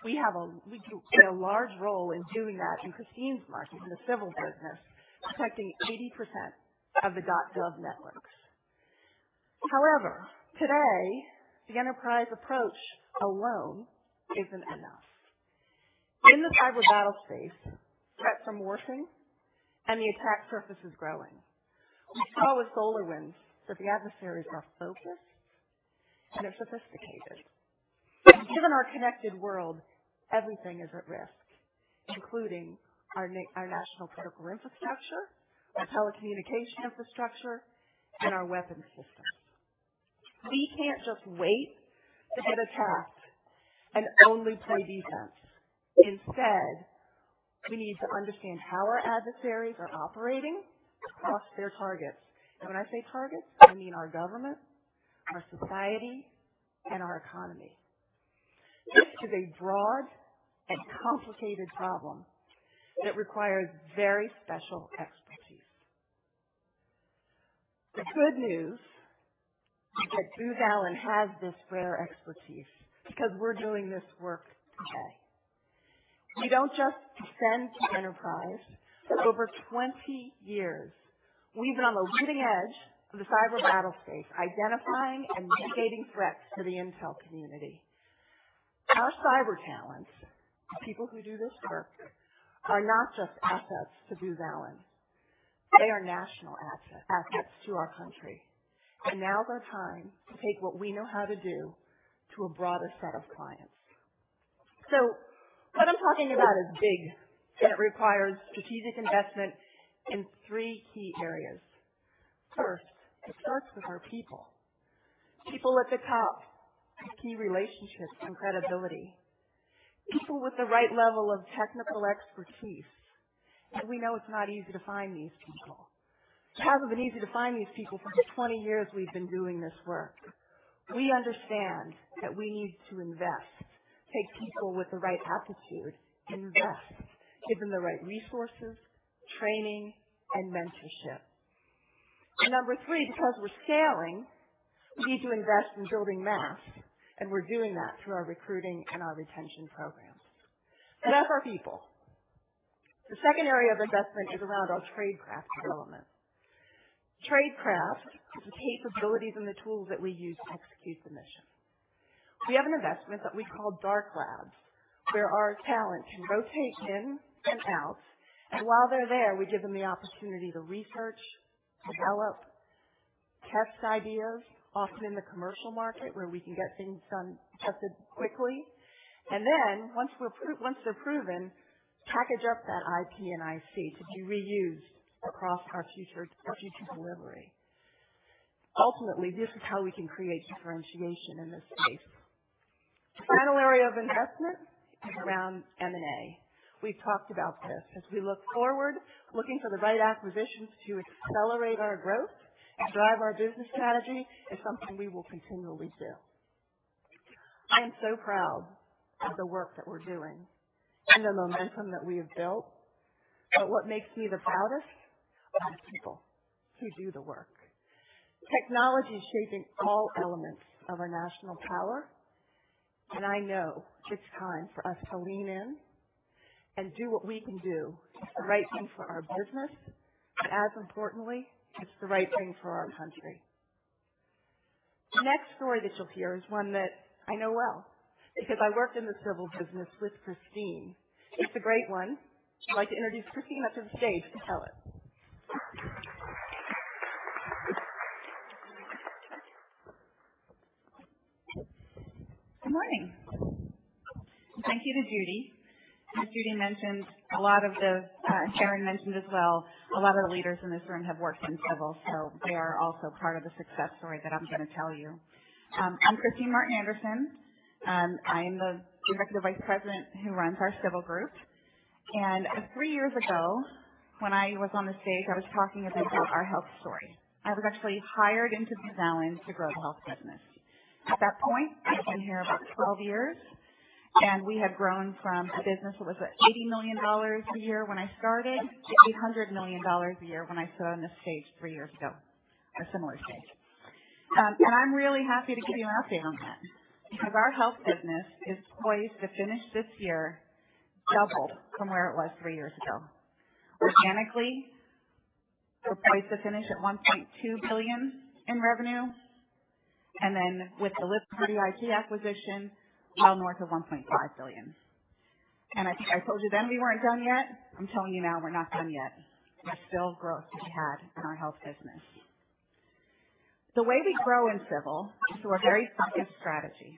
we play a large role in doing that in Kristine's market, in the Civil Sector, protecting 80% of the dot gov networks. However, today, the enterprise approach alone isn't enough. In the digital battlespace, threats are worsening and the attack surface is growing. We saw with SolarWinds that the adversaries are focused and they're sophisticated. Given our connected world, everything is at risk, including our national critical infrastructure, our telecommunication infrastructure, and our weapons systems. We can't just wait to get attacked and only play defense. Instead, we need to understand how our adversaries are operating across their targets. When I say targets, I mean our government, our society, and our economy. This is a broad and complicated problem that requires very special expertise. The good news is that Booz Allen has this rare expertise because we're doing this work today. We don't just defend the enterprise. For over 20 years, we've been on the leading edge of the cyber battle space, identifying and mitigating threats to the intel community. Our cyber talents, the people who do this work, are not just assets to Booz Allen. They are national assets to our country. Now's our time to take what we know how to do to a broader set of clients. What I'm talking about is big, and it requires strategic investment in 3 key areas. First, it starts with our people. People at the top with key relationships and credibility. People with the right level of technical expertise. We know it's not easy to find these people. It hasn't been easy to find these people for the 20 years we've been doing this work. We understand that we need to invest, take people with the right aptitude and invest, give them the right resources, training, and mentorship. Number three, because we're scaling, we need to invest in building mass, and we're doing that through our recruiting and our retention programs. That's our people. The second area of investment is around our tradecraft development. Tradecraft is the capabilities and the tools that we use to execute the mission. We have an investment that we call DarkLabs, where our talent can rotate in and out, and while they're there, we give them the opportunity to research, develop, test ideas, often in the commercial market where we can get things done, tested quickly. Then once they're proven, package up that IP and IC to be reused across our future, our future delivery. Ultimately, this is how we can create differentiation in this space. The final area of investment is around M&A. We've talked about this. As we look forward, looking for the right acquisitions to accelerate our growth and drive our business strategy is something we will continually do. I am so proud of the work that we're doing and the momentum that we have built. What makes me the proudest are the people who do the work. Technology is shaping all elements of our national power. I know it's time for us to lean in and do what we can do. It's the right thing for our business. As importantly, it's the right thing for our country. The next story that you'll hear is one that I know well because I worked in the Civil business with Kristine. It's a great one. I'd like to introduce Kristine up to the stage to tell it. Good morning. Thank you to Judi Dotson. As Judi Dotson mentioned, a lot of the Karen mentioned as well, a lot of the leaders in this room have worked in Civil Sector, they are also part of the success story that I'm gonna tell you. I'm Kristine Martin Anderson. I am the Executive Vice President who runs our Civil Sector. Three years ago, when I was on the stage, I was talking a bit about our health story. I was actually hired into Booz Allen Hamilton to grow the health business. At that point, I'd been here about 12 years, we had grown from a business that was, what, $80 million a year when I started to $800 million a year when I stood on this stage three years ago, or a similar stage. I'm really happy to give you an update on that because our health business is poised to finish this year doubled from where it was three years ago. Organically, we're poised to finish at $1.2 billion in revenue, then with the Liberty IT acquisition, well north of $1.5 billion. I think I told you then we weren't done yet. I'm telling you now we're not done yet. There's still growth to be had in our health business. The way we grow in Civil is through a very focused strategy.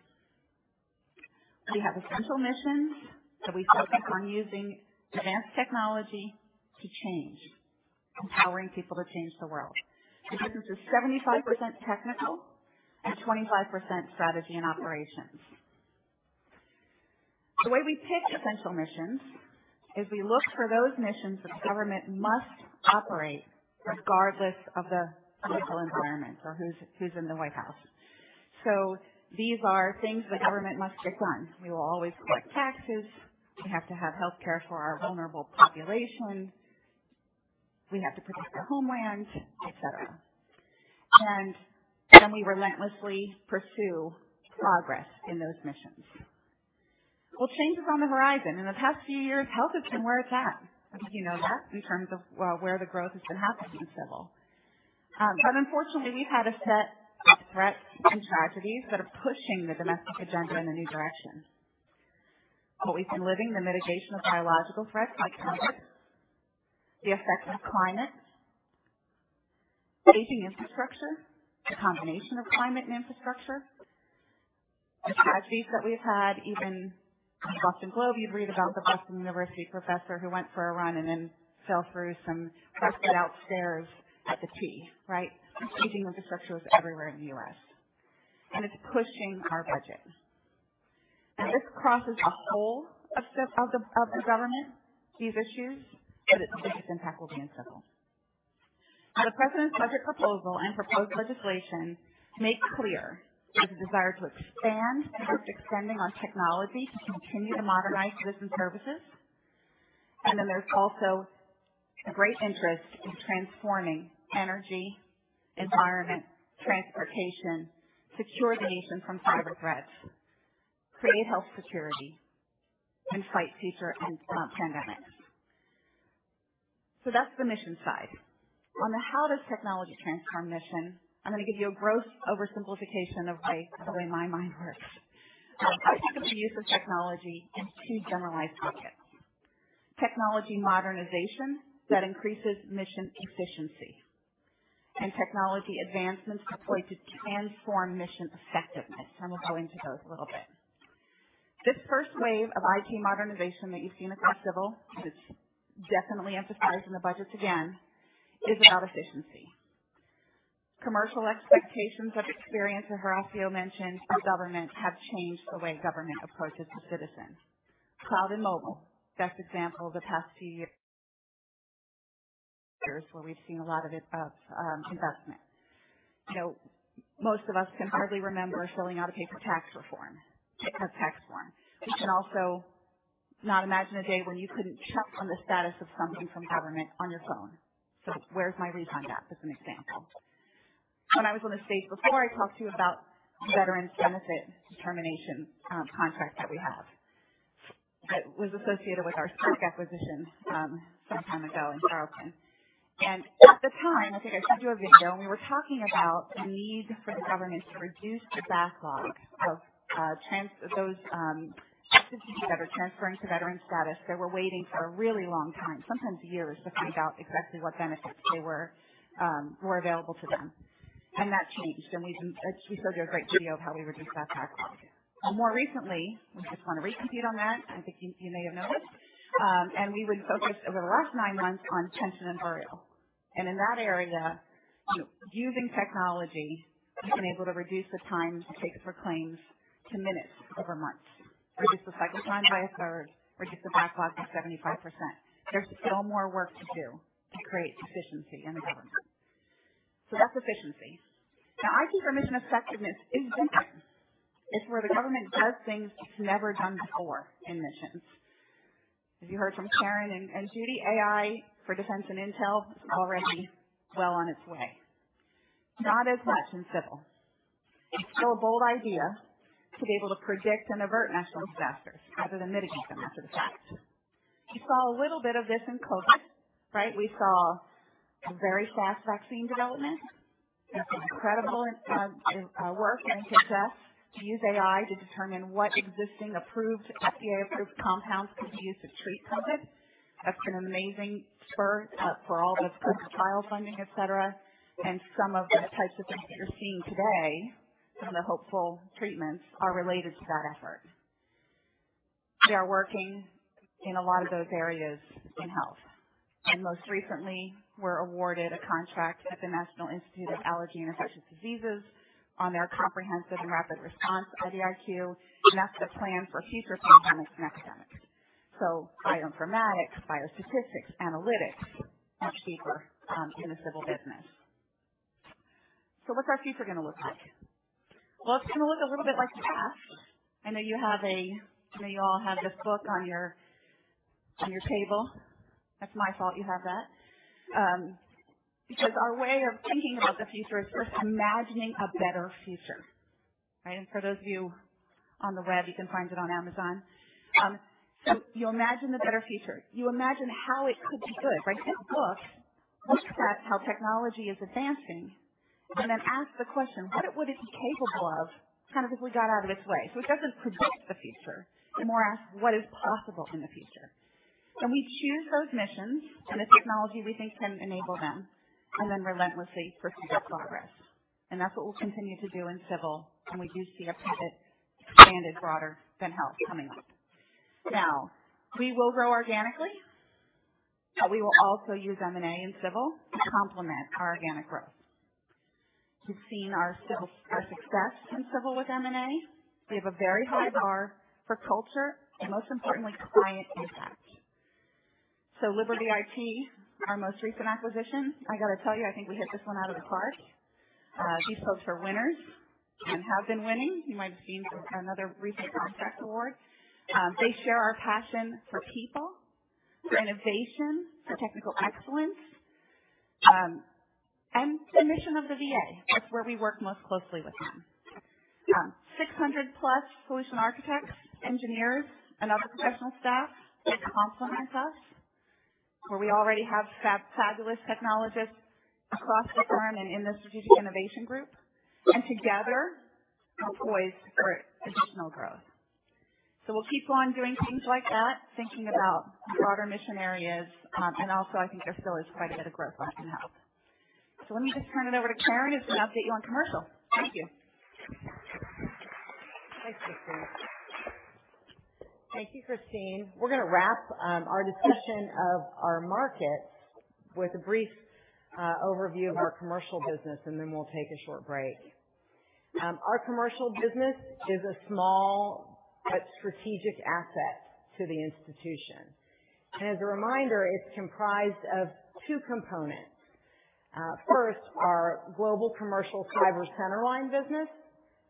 We have essential missions that we focus on using advanced technology to change, empowering people to change the world. The business is 75% technical and 25% strategy and operations. The way we pick essential missions is we look for those missions that government must operate regardless of the political environment or who's in the White House. These are things the government must get done. We will always collect taxes. We have to have healthcare for our vulnerable population. We have to protect our homeland, et cetera. We relentlessly pursue progress in those missions. Well, change is on the horizon. In the past few years, health has been where it's at. I think you know that in terms of, well, where the growth has been happening in Civil. Unfortunately, we've had a set of threats and tragedies that are pushing the domestic agenda in a new direction. We've been living the mitigation of biological threats like COVID, the effects of climate, aging infrastructure, the combination of climate and infrastructure, the tragedies that we've had. Even in The Boston Globe, you'd read about the Boston University professor who went for a run and then fell through some crusty downstairs at the T, right? Aging infrastructure is everywhere in the U.S., and it's pushing our budget. This crosses the whole of the, of the, of the government, these issues, but its biggest impact will be in Civil. The president's budget proposal and proposed legislation make clear there's a desire to expand and keep extending our technology to continue to modernize citizen services. There's also a great interest in transforming energy, environment, transportation, secure the nation from cyber threats, create health security, and fight future pandemics. That's the mission side. On the how does technology transform mission, I'm gonna give you a gross oversimplification of the way my mind works. I think of the use of technology in two generalized buckets: technology modernization that increases mission efficiency and technology advancements deployed to transform mission effectiveness, and we'll go into those a little bit. This first wave of IT modernization that you've seen across Civil, which is definitely emphasized in the budgets again, is about efficiency. Commercial expectations of experience that Horacio mentioned for government have changed the way government approaches the citizen. Cloud and mobile, best example the past few years. Years where we've seen a lot of it, of investment. You know, most of us can hardly remember filling out a paper tax form. We can also not imagine a day when you couldn't check on the status of something from government on your phone. Where's my refund at? As an example. When I was on the stage before, I talked to you about veterans benefit determination, contract that we have that was associated with our SPARC acquisitions, some time ago in Charleston. At the time, I think I showed you a video, and we were talking about the need for the government to reduce the backlog of those citizens that are transferring to veteran status that were waiting for a really long time, sometimes years, to find out exactly what benefits they were available to them. That changed, she showed you a great video of how we reduced that backlog. More recently, we just won a re-compete on that, I think you may have noticed. We've been focused over the last nine months on pension and burial. In that area, using technology, we've been able to reduce the time it takes for claims to minutes over months, reduce the cycle time by a third, reduce the backlog by 75%. There's still more work to do to create efficiency in the government. That's efficiency. Now, I think mission effectiveness is different. It's where the government does things it's never done before in missions. As you heard from Karen and Judi, AI for defense and intel is already well on its way. Not as much in Civil. It's still a bold idea to be able to predict and avert national disasters rather than mitigate them after the fact. You saw a little bit of this in COVID, right? We saw a very fast vaccine development. It's incredible work and success to use AI to determine what existing approved, FDA-approved compounds could be used to treat COVID. That's been amazing spurt for all the clinical trial funding, et cetera. Some of the types of things that you're seeing today, some of the hopeful treatments are related to that effort. We are working in a lot of those areas in health, and most recently we're awarded a contract at the National Institute of Allergy and Infectious Diseases on their comprehensive and rapid response IDIQ, and that's the plan for future pandemics and epidemics. Bioinformatics, biostatistics, analytics, much deeper in the Civil business. What's our future gonna look like? Well, it's gonna look a little bit like the past. I know you all have this book on your table. That's my fault you have that. Because our way of thinking about the future is first imagining a better future, right? For those of you on the web, you can find it on Amazon. You imagine the better future. You imagine how it could be good, right? This book looks at how technology is advancing and then asks the question, what would it be capable of kind of if we got out of its way? It doesn't predict the future. It more asks what is possible in the future. We choose those missions and the technology we think can enable them and then relentlessly pursue that progress. That's what we'll continue to do in Civil, and we do see a path that expanded broader than health coming up. We will grow organically, but we will also use M&A in Civil to complement our organic growth. You've seen our success in Civil with M&A. We have a very high bar for culture and most importantly, client impact. Liberty IT, our most recent acquisition, I gotta tell you, I think we hit this one out of the park. These folks are winners and have been winning. You might have seen another recent contract award. They share our passion for people, for innovation, for technical excellence, and the mission of the VA. That's where we work most closely with them. 600 plus solution architects, engineers and other professional staff that complement us, where we already have fab-fabulous technologists across the firm and in the Strategic Innovation Group. Together, we're poised for additional growth. We'll keep on doing things like that, thinking about broader mission areas, and also I think there still is quite a bit of growth left in health. Let me just turn it over to Karen who's gonna update you on commercial. Thank you. Thanks, Kristine. Thank you, Kristine. We're gonna wrap our discussion of our market with a brief overview of our commercial business. Then we'll take a short break. Our commercial business is a small but strategic asset to the institution. As a reminder, it's comprised of two components. First, our global commercial cyber center line business,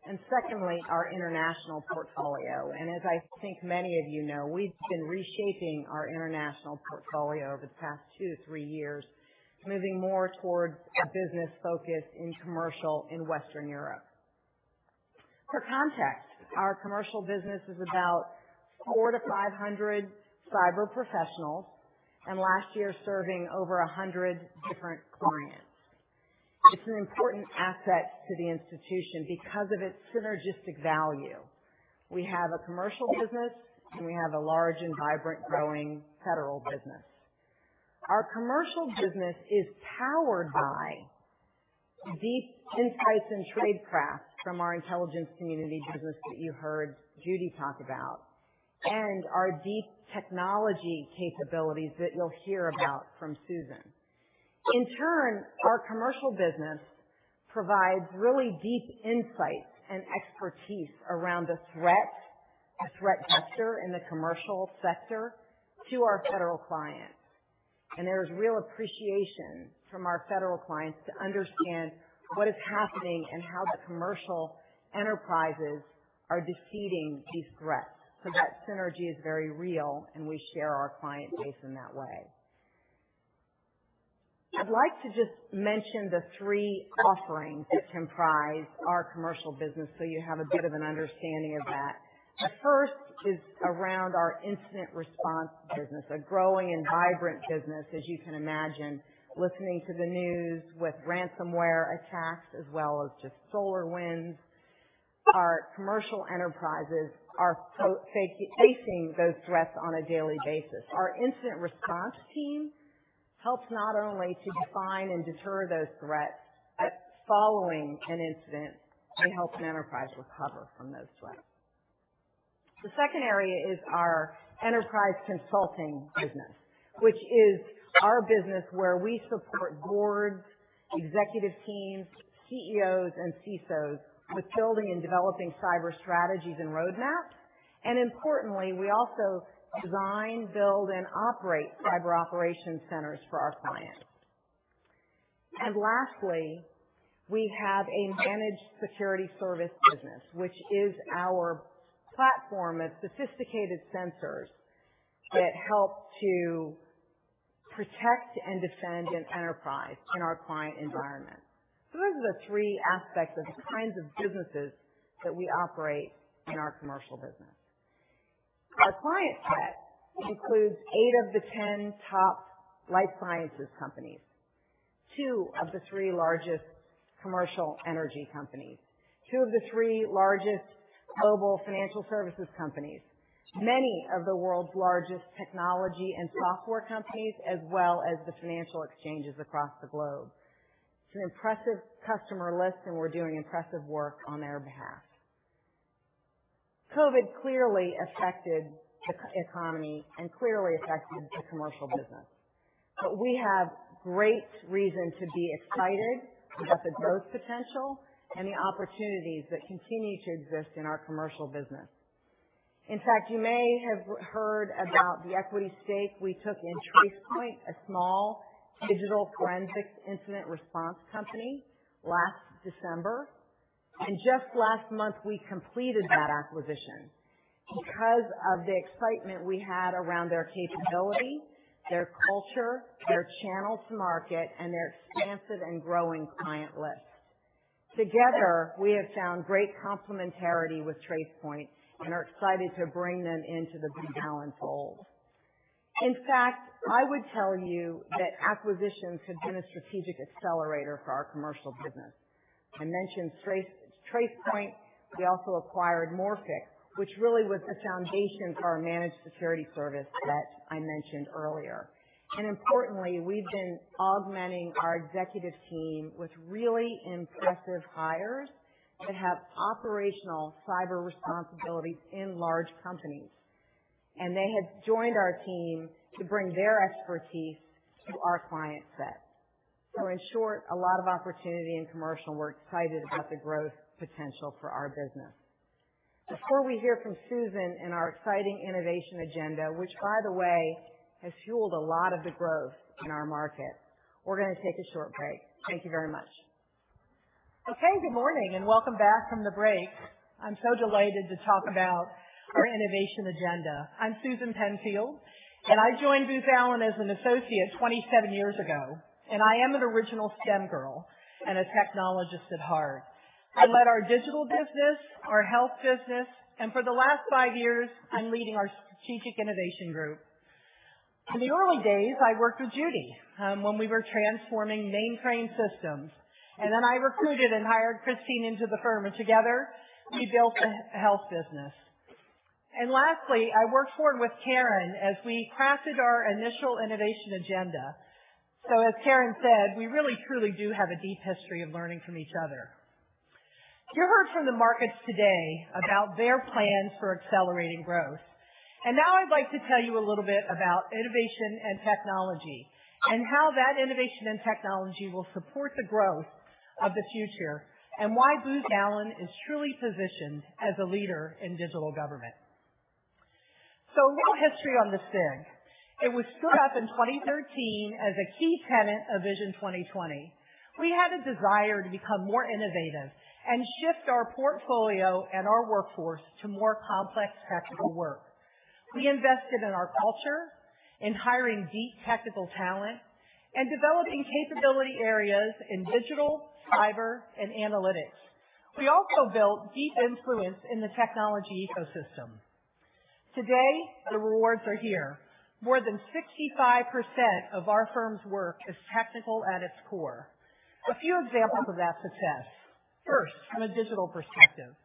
and secondly, our international portfolio. As I think many of you know, we've been reshaping our international portfolio over the past two, three years, moving more towards a business focus in commercial in Western Europe. For context, our commercial business is about 400-500 cyber professionals, and last year serving over 100 different clients. It's an important asset to the institution because of its synergistic value. We have a commercial business, and we have a large and vibrant, growing federal business. Our commercial business is powered by deep insights and tradecraft from our intelligence community business that you heard Judi talk about, and our deep technology capabilities that you'll hear about from Susan. In turn, our commercial business provides really deep insights and expertise around the threat, the threat vector in the commercial sector to our federal clients. There is real appreciation from our federal clients to understand what is happening and how the commercial enterprises are defeating these threats. That synergy is very real, and we share our client base in that way. I'd like to just mention the three offerings that comprise our commercial business so you have a bit of an understanding of that. The first is around our incident response business, a growing and vibrant business, as you can imagine, listening to the news with ransomware attacks as well as just SolarWinds. Our commercial enterprises are facing those threats on a daily basis. Our incident response team helps not only to define and deter those threats, but following an incident, they help an enterprise recover from those threats. The second area is our enterprise consulting business, which is our business where we support boards, executive teams, CEOs, and CISOs with building and developing cyber strategies and roadmaps. Importantly, we also design, build, and operate cyber operation centers for our clients. Lastly, we have a managed security service business, which is our platform of sophisticated sensors that help to protect and defend an enterprise in our client environment. Those are the three aspects of the kinds of businesses that we operate in our commercial business. Our client set includes 8 of the 10 top life sciences companies, two of the three largest commercial energy companies, two of the three largest global financial services companies, many of the world's largest technology and software companies, as well as the financial exchanges across the globe. It's an impressive customer list, and we're doing impressive work on their behalf. COVID clearly affected the economy and clearly affected the commercial business, but we have great reason to be excited about the growth potential and the opportunities that continue to exist in our commercial business. In fact, you may have heard about the equity stake we took in Tracepoint, a small digital forensics incident response company last December. Just last month, we completed that acquisition because of the excitement we had around their capability, their culture, their channels to market, and their expansive and growing client lists. Together, we have found great complementarity with Tracepoint and are excited to bring them into the Booz Allen fold. I would tell you that acquisitions have been a strategic accelerator for our commercial business. I mentioned Tracepoint. We also acquired Morphick, which really was the foundation for our managed security service that I mentioned earlier. Importantly, we've been augmenting our executive team with really impressive hires that have operational cyber responsibilities in large companies, and they have joined our team to bring their expertise to our client set. In short, a lot of opportunity in commercial. We're excited about the growth potential for our business. Before we hear from Susan in our exciting innovation agenda, which, by the way, has fueled a lot of the growth in our market, we're going to take a short break. Thank you very much. Good morning, and welcome back from the break. I'm so delighted to talk about our innovation agenda. I'm Susan Penfield, and I joined Booz Allen as an associate 27 years ago, and I am an original STEM girl and a technologist at heart. I led our digital business, our health business, and for the last five years, I'm leading our Strategic Innovation Group. In the early days, I worked with Judi Dotson when we were transforming mainframe systems. I recruited and hired Kristine Martin Anderson into the firm, and together we built a health business. Lastly, I worked forward with Karen Dahut as we crafted our initial innovation agenda. As Karen Dahut said, we really, truly do have a deep history of learning from each other. You heard from the markets today about their plans for accelerating growth. Now I'd like to tell you a little bit about innovation and technology and how that innovation and technology will support the growth of the future and why Booz Allen is truly positioned as a leader in digital government. A little history on the SIG. It was stood up in 2013 as a key tenet of Vision 2020. We had a desire to become more innovative and shift our portfolio and our workforce to more complex technical work. We invested in our culture, in hiring deep technical talent and developing capability areas in digital, cyber, and analytics. We also built deep influence in the technology ecosystem. Today, the rewards are here. More than 65% of our firm's work is technical at its core. A few examples of that success. First, from a digital perspective,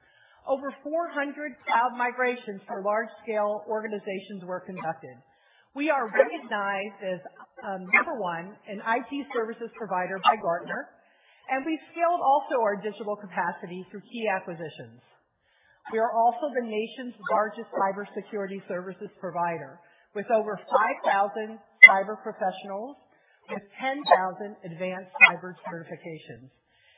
over 400 cloud migrations for large-scale organizations were conducted. We are recognized as number one in IT services provider by Gartner, and we've scaled also our digital capacity through key acquisitions. We are also the nation's largest cybersecurity services provider with over 5,000 cyber professionals with 10,000 advanced cyber certifications.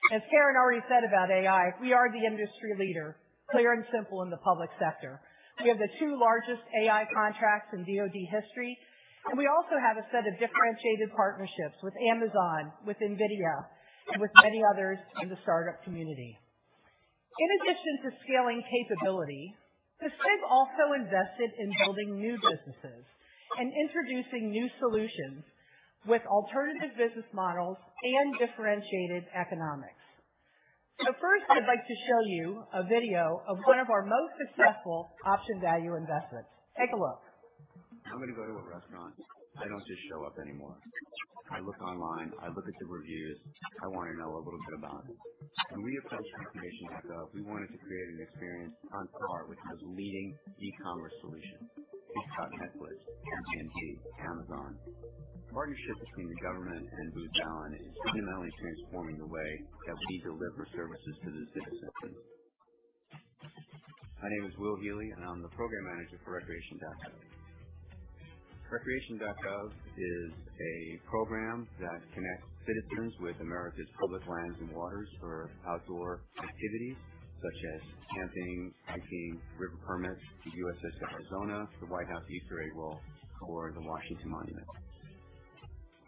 As Karen already said about AI, we are the industry leader, clear and simple, in the public sector. We have the two largest AI contracts in DoD history, and we also have a set of differentiated partnerships with Amazon, with NVIDIA, and with many others in the startup community. In addition to scaling capability, the SIG also invested in building new businesses and introducing new solutions with alternative business models and differentiated economics. First, I'd like to show you a video of 1 of our most successful option value investments. Take a look. I'm gonna go to a restaurant, I don't just show up anymore. I look online, I look at the reviews. I wanna know a little bit about it. When we approached recreation.gov, we wanted to create an experience on par with those leading e-commerce solutions, think about Netflix, AT&T, Amazon. The partnership between the government and Booz Allen is fundamentally transforming the way that we deliver services to the citizen. My name is Will Healy, and I'm the program manager for recreation.gov. Recreation.gov is a program that connects citizens with America's public lands and waters for outdoor activities such as camping, hiking, river permits to USS Arizona Memorial, the White House Easter Egg Roll, or the Washington Monument.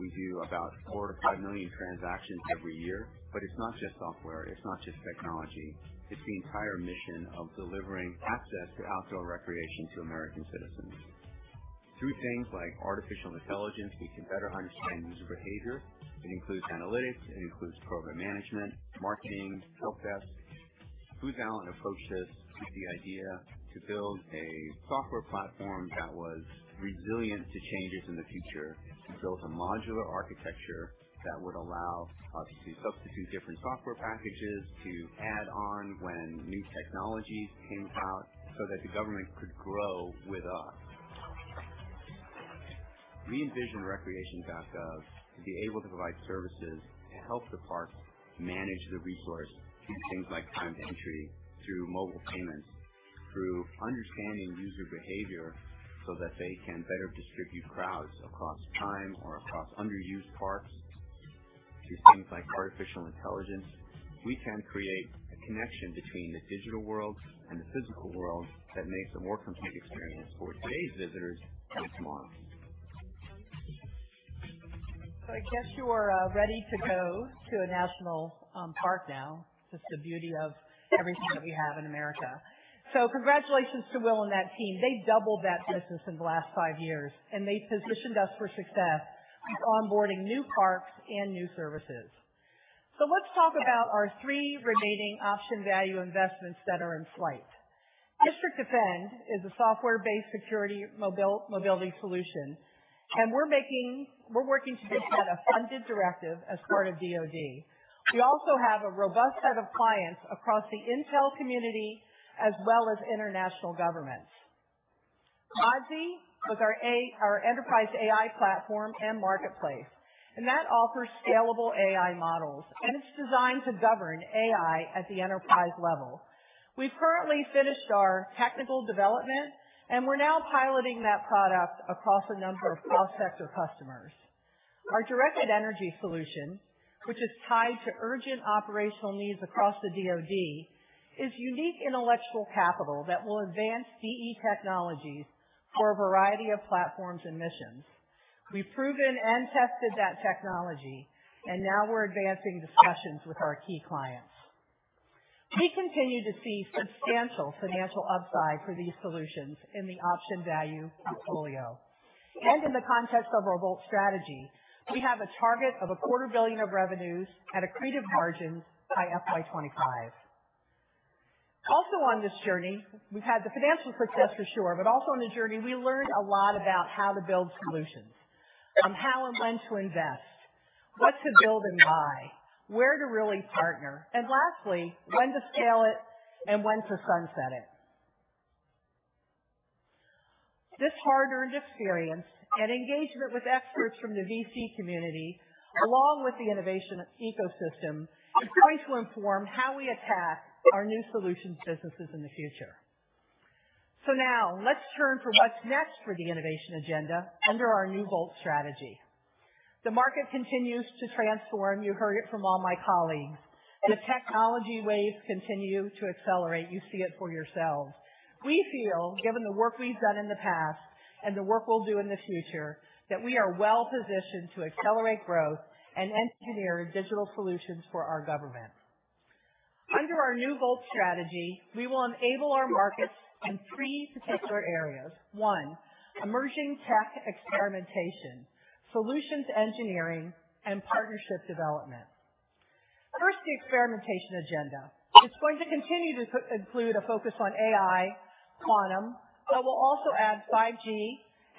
We do about 4 million-5 million transactions every year, but it's not just software, it's not just technology, it's the entire mission of delivering access to outdoor recreation to American citizens. Through things like artificial intelligence, we can better understand user behavior. It includes analytics, it includes program management, marketing, help desk. Booz Allen approached us with the idea to build a software platform that was resilient to changes in the future, to build a modular architecture that would allow us to substitute different software packages, to add on when new technologies came out so that the government could grow with us. We envision Recreation.gov to be able to provide services and help the parks manage the resource through things like timed entry, through mobile payments, through understanding user behavior, so that they can better distribute crowds across time or across underused parks. Through things like artificial intelligence, we can create a connection between the digital world and the physical world that makes a more complete experience for today's visitors and tomorrow's. I guess you are ready to go to a national park now. Just the beauty of everything that we have in America. Congratulations to Will and that team. They doubled that business in the last five years, and they've positioned us for success with onboarding new parks and new services. Let's talk about our three remaining option value investments that are in flight. District Defend is a software-based security mobility solution, and we're working to become a funded directive as part of DoD. We also have a robust set of clients across the intel community as well as international governments. Modzy was our enterprise AI platform and marketplace, and that offers scalable AI models, and it's designed to govern AI at the enterprise level. We've currently finished our technical development, and we're now piloting that product across a number of cross-sector customers. Our directed energy solution, which is tied to urgent operational needs across the DoD, is unique intellectual capital that will advance DE technologies for a variety of platforms and missions. We've proven and tested that technology, and now we're advancing discussions with our key clients. We continue to see substantial financial upside for these solutions in the option value portfolio. In the context of our VoLT strategy, we have a target of a quarter billion of revenues at accretive margins by FY 2025. On this journey, we've had the financial success for sure, but also on the journey, we learned a lot about how to build solutions, how and when to invest, what to build and buy, where to really partner, and lastly, when to scale it and when to sunset it. This hard-earned experience and engagement with experts from the VC community, along with the innovation ecosystem, is going to inform how we attack our new solutions businesses in the future. Now let's turn to what's next for the innovation agenda under our new VoLT strategy. The market continues to transform. You heard it from all my colleagues. The technology waves continue to accelerate. You see it for yourselves. We feel, given the work we've done in the past and the work we'll do in the future, that we are well-positioned to accelerate growth and engineer digital solutions for our government. Under our new VoLT strategy, we will enable our markets in three particular areas. One, emerging tech experimentation, solutions engineering, and partnership development. First, the experimentation agenda. It's going to continue to include a focus on AI, quantum, but we'll also add 5G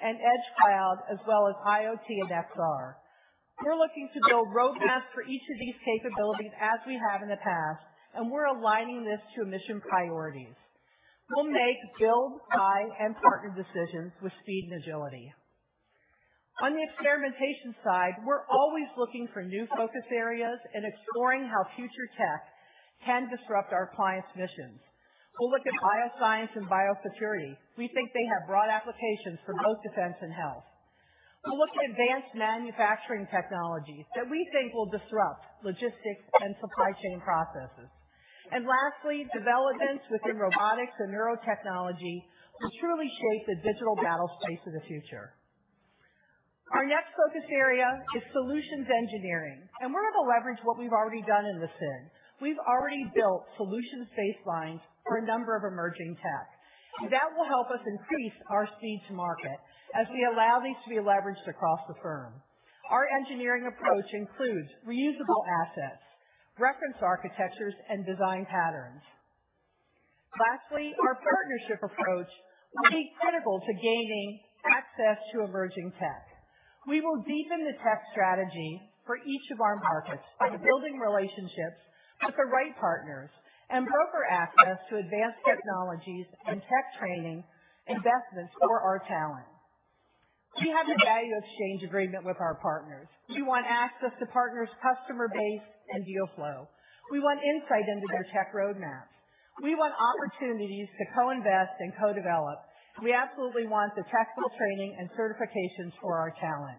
and Edge Cloud as well as IoT and XR. We're looking to build roadmaps for each of these capabilities as we have in the past, and we're aligning this to mission priorities. We'll make build, buy, and partner decisions with speed and agility. On the experimentation side, we're always looking for new focus areas and exploring how future tech can disrupt our clients' missions. We'll look at bioscience and biosecurity. We think they have broad applications for both defense and health. We'll look at advanced manufacturing technologies that we think will disrupt logistics and supply chain processes. Lastly, developments within robotics and neurotechnology will truly shape the digital battlespace of the future. Our next focus area is solutions engineering, and we're gonna leverage what we've already done in the SIG. We've already built solutions baselines for a number of emerging tech. That will help us increase our speed to market as we allow these to be leveraged across the firm. Our engineering approach includes reusable assets, reference architectures, and design patterns. Lastly, our partnership approach will be critical to gaining access to emerging tech. We will deepen the tech strategy for each of our markets by building relationships with the right partners and broker access to advanced technologies and tech training investments for our talent. We have a value exchange agreement with our partners. We want access to partners' customer base and deal flow. We want insight into their tech roadmap. We want opportunities to co-invest and co-develop. We absolutely want the technical training and certifications for our talent.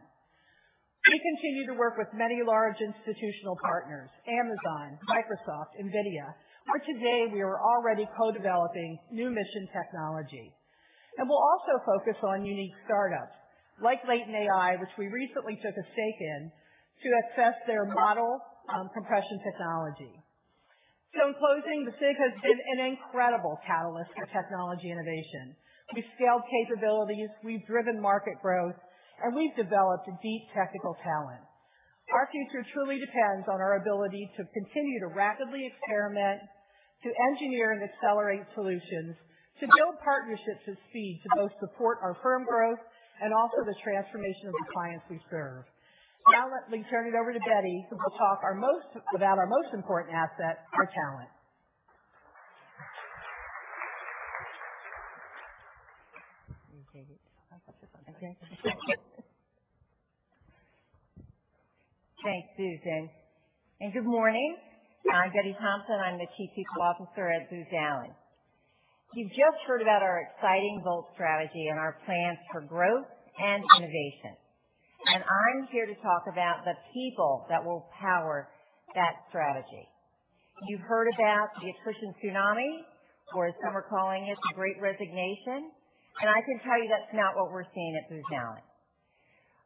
We continue to work with many large institutional partners, Amazon, Microsoft, NVIDIA, where today we are already co-developing new mission technology. We'll also focus on unique startups like Latent AI, which we recently took a stake in to access their model compression technology. In closing, the SIG has been an incredible catalyst for technology innovation. We've scaled capabilities, we've driven market growth, and we've developed deep technical talent. Our future truly depends on our ability to continue to rapidly experiment, to engineer and accelerate solutions, to build partnerships at speed to both support our firm growth and also the transformation of the clients we serve. Let me turn it over to Betty, who will talk about our most important asset, our talent. You take it. I got this one. Okay. Thanks, Susan. Good morning. I'm Betty Thompson. I'm the Chief People Officer at Booz Allen. You've just heard about our exciting VoLT strategy and our plans for growth and innovation. I'm here to talk about the people that will power that strategy. You've heard about the attrition tsunami, or as some are calling it, the Great Resignation. I can tell you that's not what we're seeing at Booz Allen.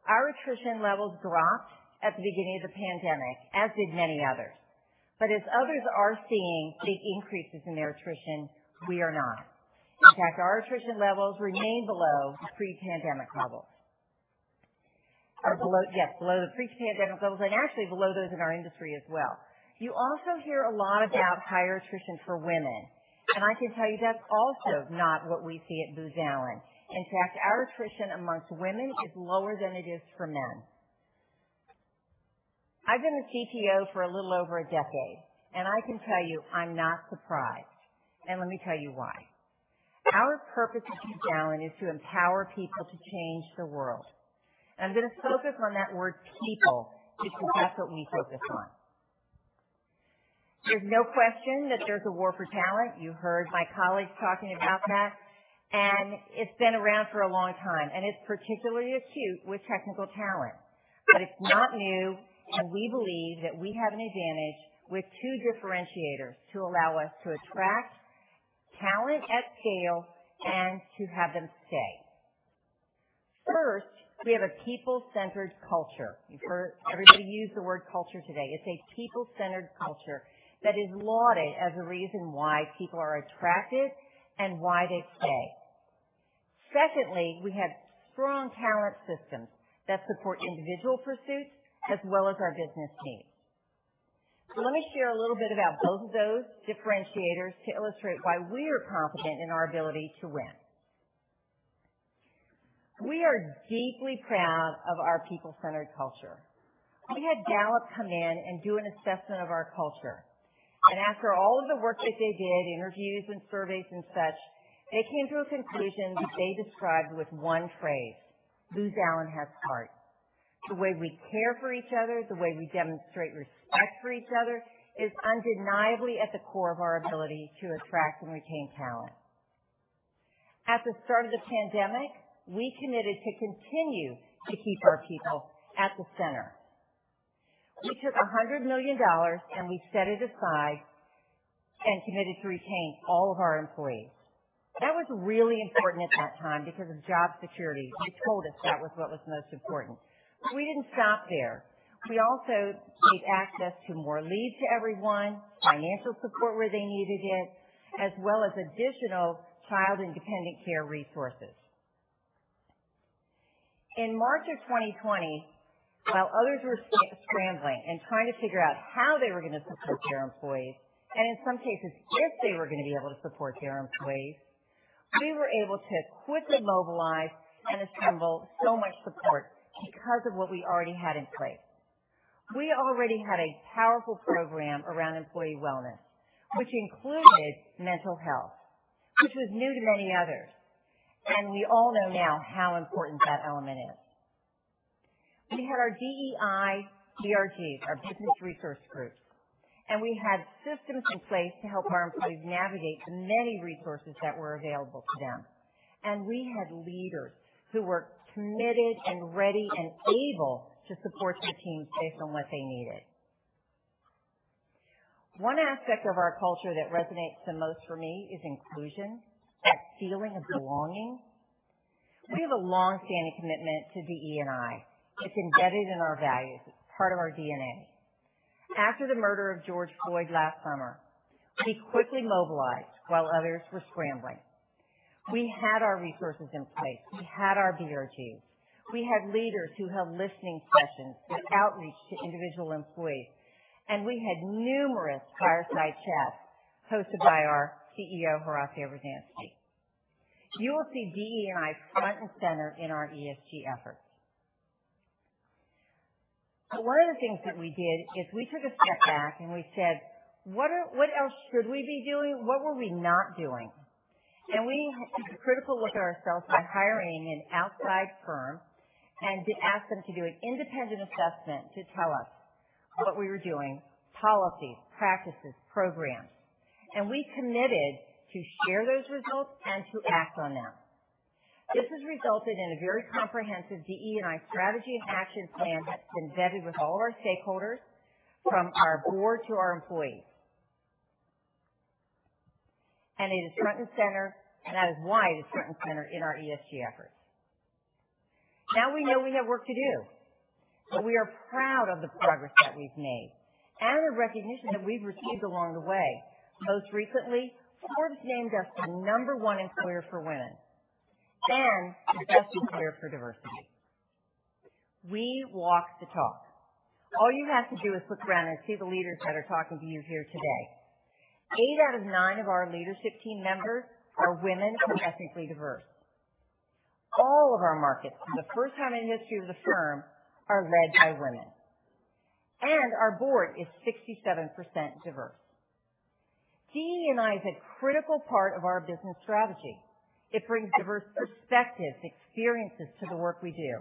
Our attrition levels dropped at the beginning of the pandemic, as did many others. As others are seeing big increases in their attrition, we are not. In fact, our attrition levels remain below pre-pandemic levels. Below the pre-pandemic levels and actually below those in our industry as well. You also hear a lot about higher attrition for women. I can tell you that's also not what we see at Booz Allen. In fact, our attrition amongst women is lower than it is for men. I've been the CPO for a little over a decade, I can tell you I'm not surprised. Let me tell you why. Our purpose at Booz Allen is to empower people to change the world. I'm gonna focus on that word people because that's what we focus on. There's no question that there's a war for talent. You heard my colleagues talking about that, it's been around for a long time, and it's particularly acute with technical talent. It's not new, and we believe that we have an advantage with two differentiators to allow us to attract talent at scale and to have them stay. First, we have a people-centered culture. You've heard everybody use the word culture today. It's a people-centered culture that is lauded as a reason why people are attracted and why they stay. Secondly, we have strong talent systems that support individual pursuits as well as our business needs. Let me share a little bit about both of those differentiators to illustrate why we are confident in our ability to win. We are deeply proud of our people-centered culture. We had Gallup come in and do an assessment of our culture, and after all of the work that they did, interviews and surveys and such, they came to a conclusion that they described with one phrase: Booz Allen has heart. The way we care for each other, the way we demonstrate respect for each other is undeniably at the core of our ability to attract and retain talent. At the start of the pandemic, we committed to continue to keep our people at the center. We took $100 million, we set it aside and committed to retain all of our employees. That was really important at that time because of job security. You told us that was what was most important. We didn't stop there. We also gave access to more leave to everyone, financial support where they needed it, as well as additional child and dependent care resources. In March of 2020, while others were scrambling and trying to figure out how they were gonna support their employees and in some cases, if they were gonna be able to support their employees, we were able to quickly mobilize and assemble so much support because of what we already had in place. We already had a powerful program around employee wellness, which included mental health, which was new to many others, and we all know now how important that element is. We had our DEI BRGs, our Business Resource Groups, and we had systems in place to help our employees navigate the many resources that were available to them. We had leaders who were committed and ready and able to support their teams based on what they needed. One aspect of our culture that resonates the most for me is inclusion, that feeling of belonging. We have a longstanding commitment to DE&I. It's embedded in our values. It's part of our DNA. After the murder of George Floyd last summer, we quickly mobilized while others were scrambling. We had our resources in place. We had our BRGs. We had leaders who held listening sessions with outreach to individual employees. We had numerous fireside chats hosted by our CEO, Horacio Rozanski. You will see DE&I front and center in our ESG efforts. One of the things that we did is we took a step back. We said, "What else should we be doing? What were we not doing?" We had to be critical with ourselves by hiring an outside firm to ask them to do an independent assessment to tell us what we were doing, policies, practices, programs. We committed to share those results and to act on them. This has resulted in a very comprehensive DE&I strategy and action plan that's embedded with all of our stakeholders, from our board to our employees. It is front and center, and that is why it is front and center in our ESG efforts. We know we have work to do, but we are proud of the progress that we've made and the recognition that we've received along the way. Most recently, Forbes named us the number one employer for women and the best employer for diversity. We walk the talk. All you have to do is look around and see the leaders that are talking to you here today. Eight out of nine of our leadership team members are women and ethnically diverse. All of our markets, for the first time in the history of the firm, are led by women. Our board is 67% diverse. DE&I is a critical part of our business strategy. It brings diverse perspectives, experiences to the work we do.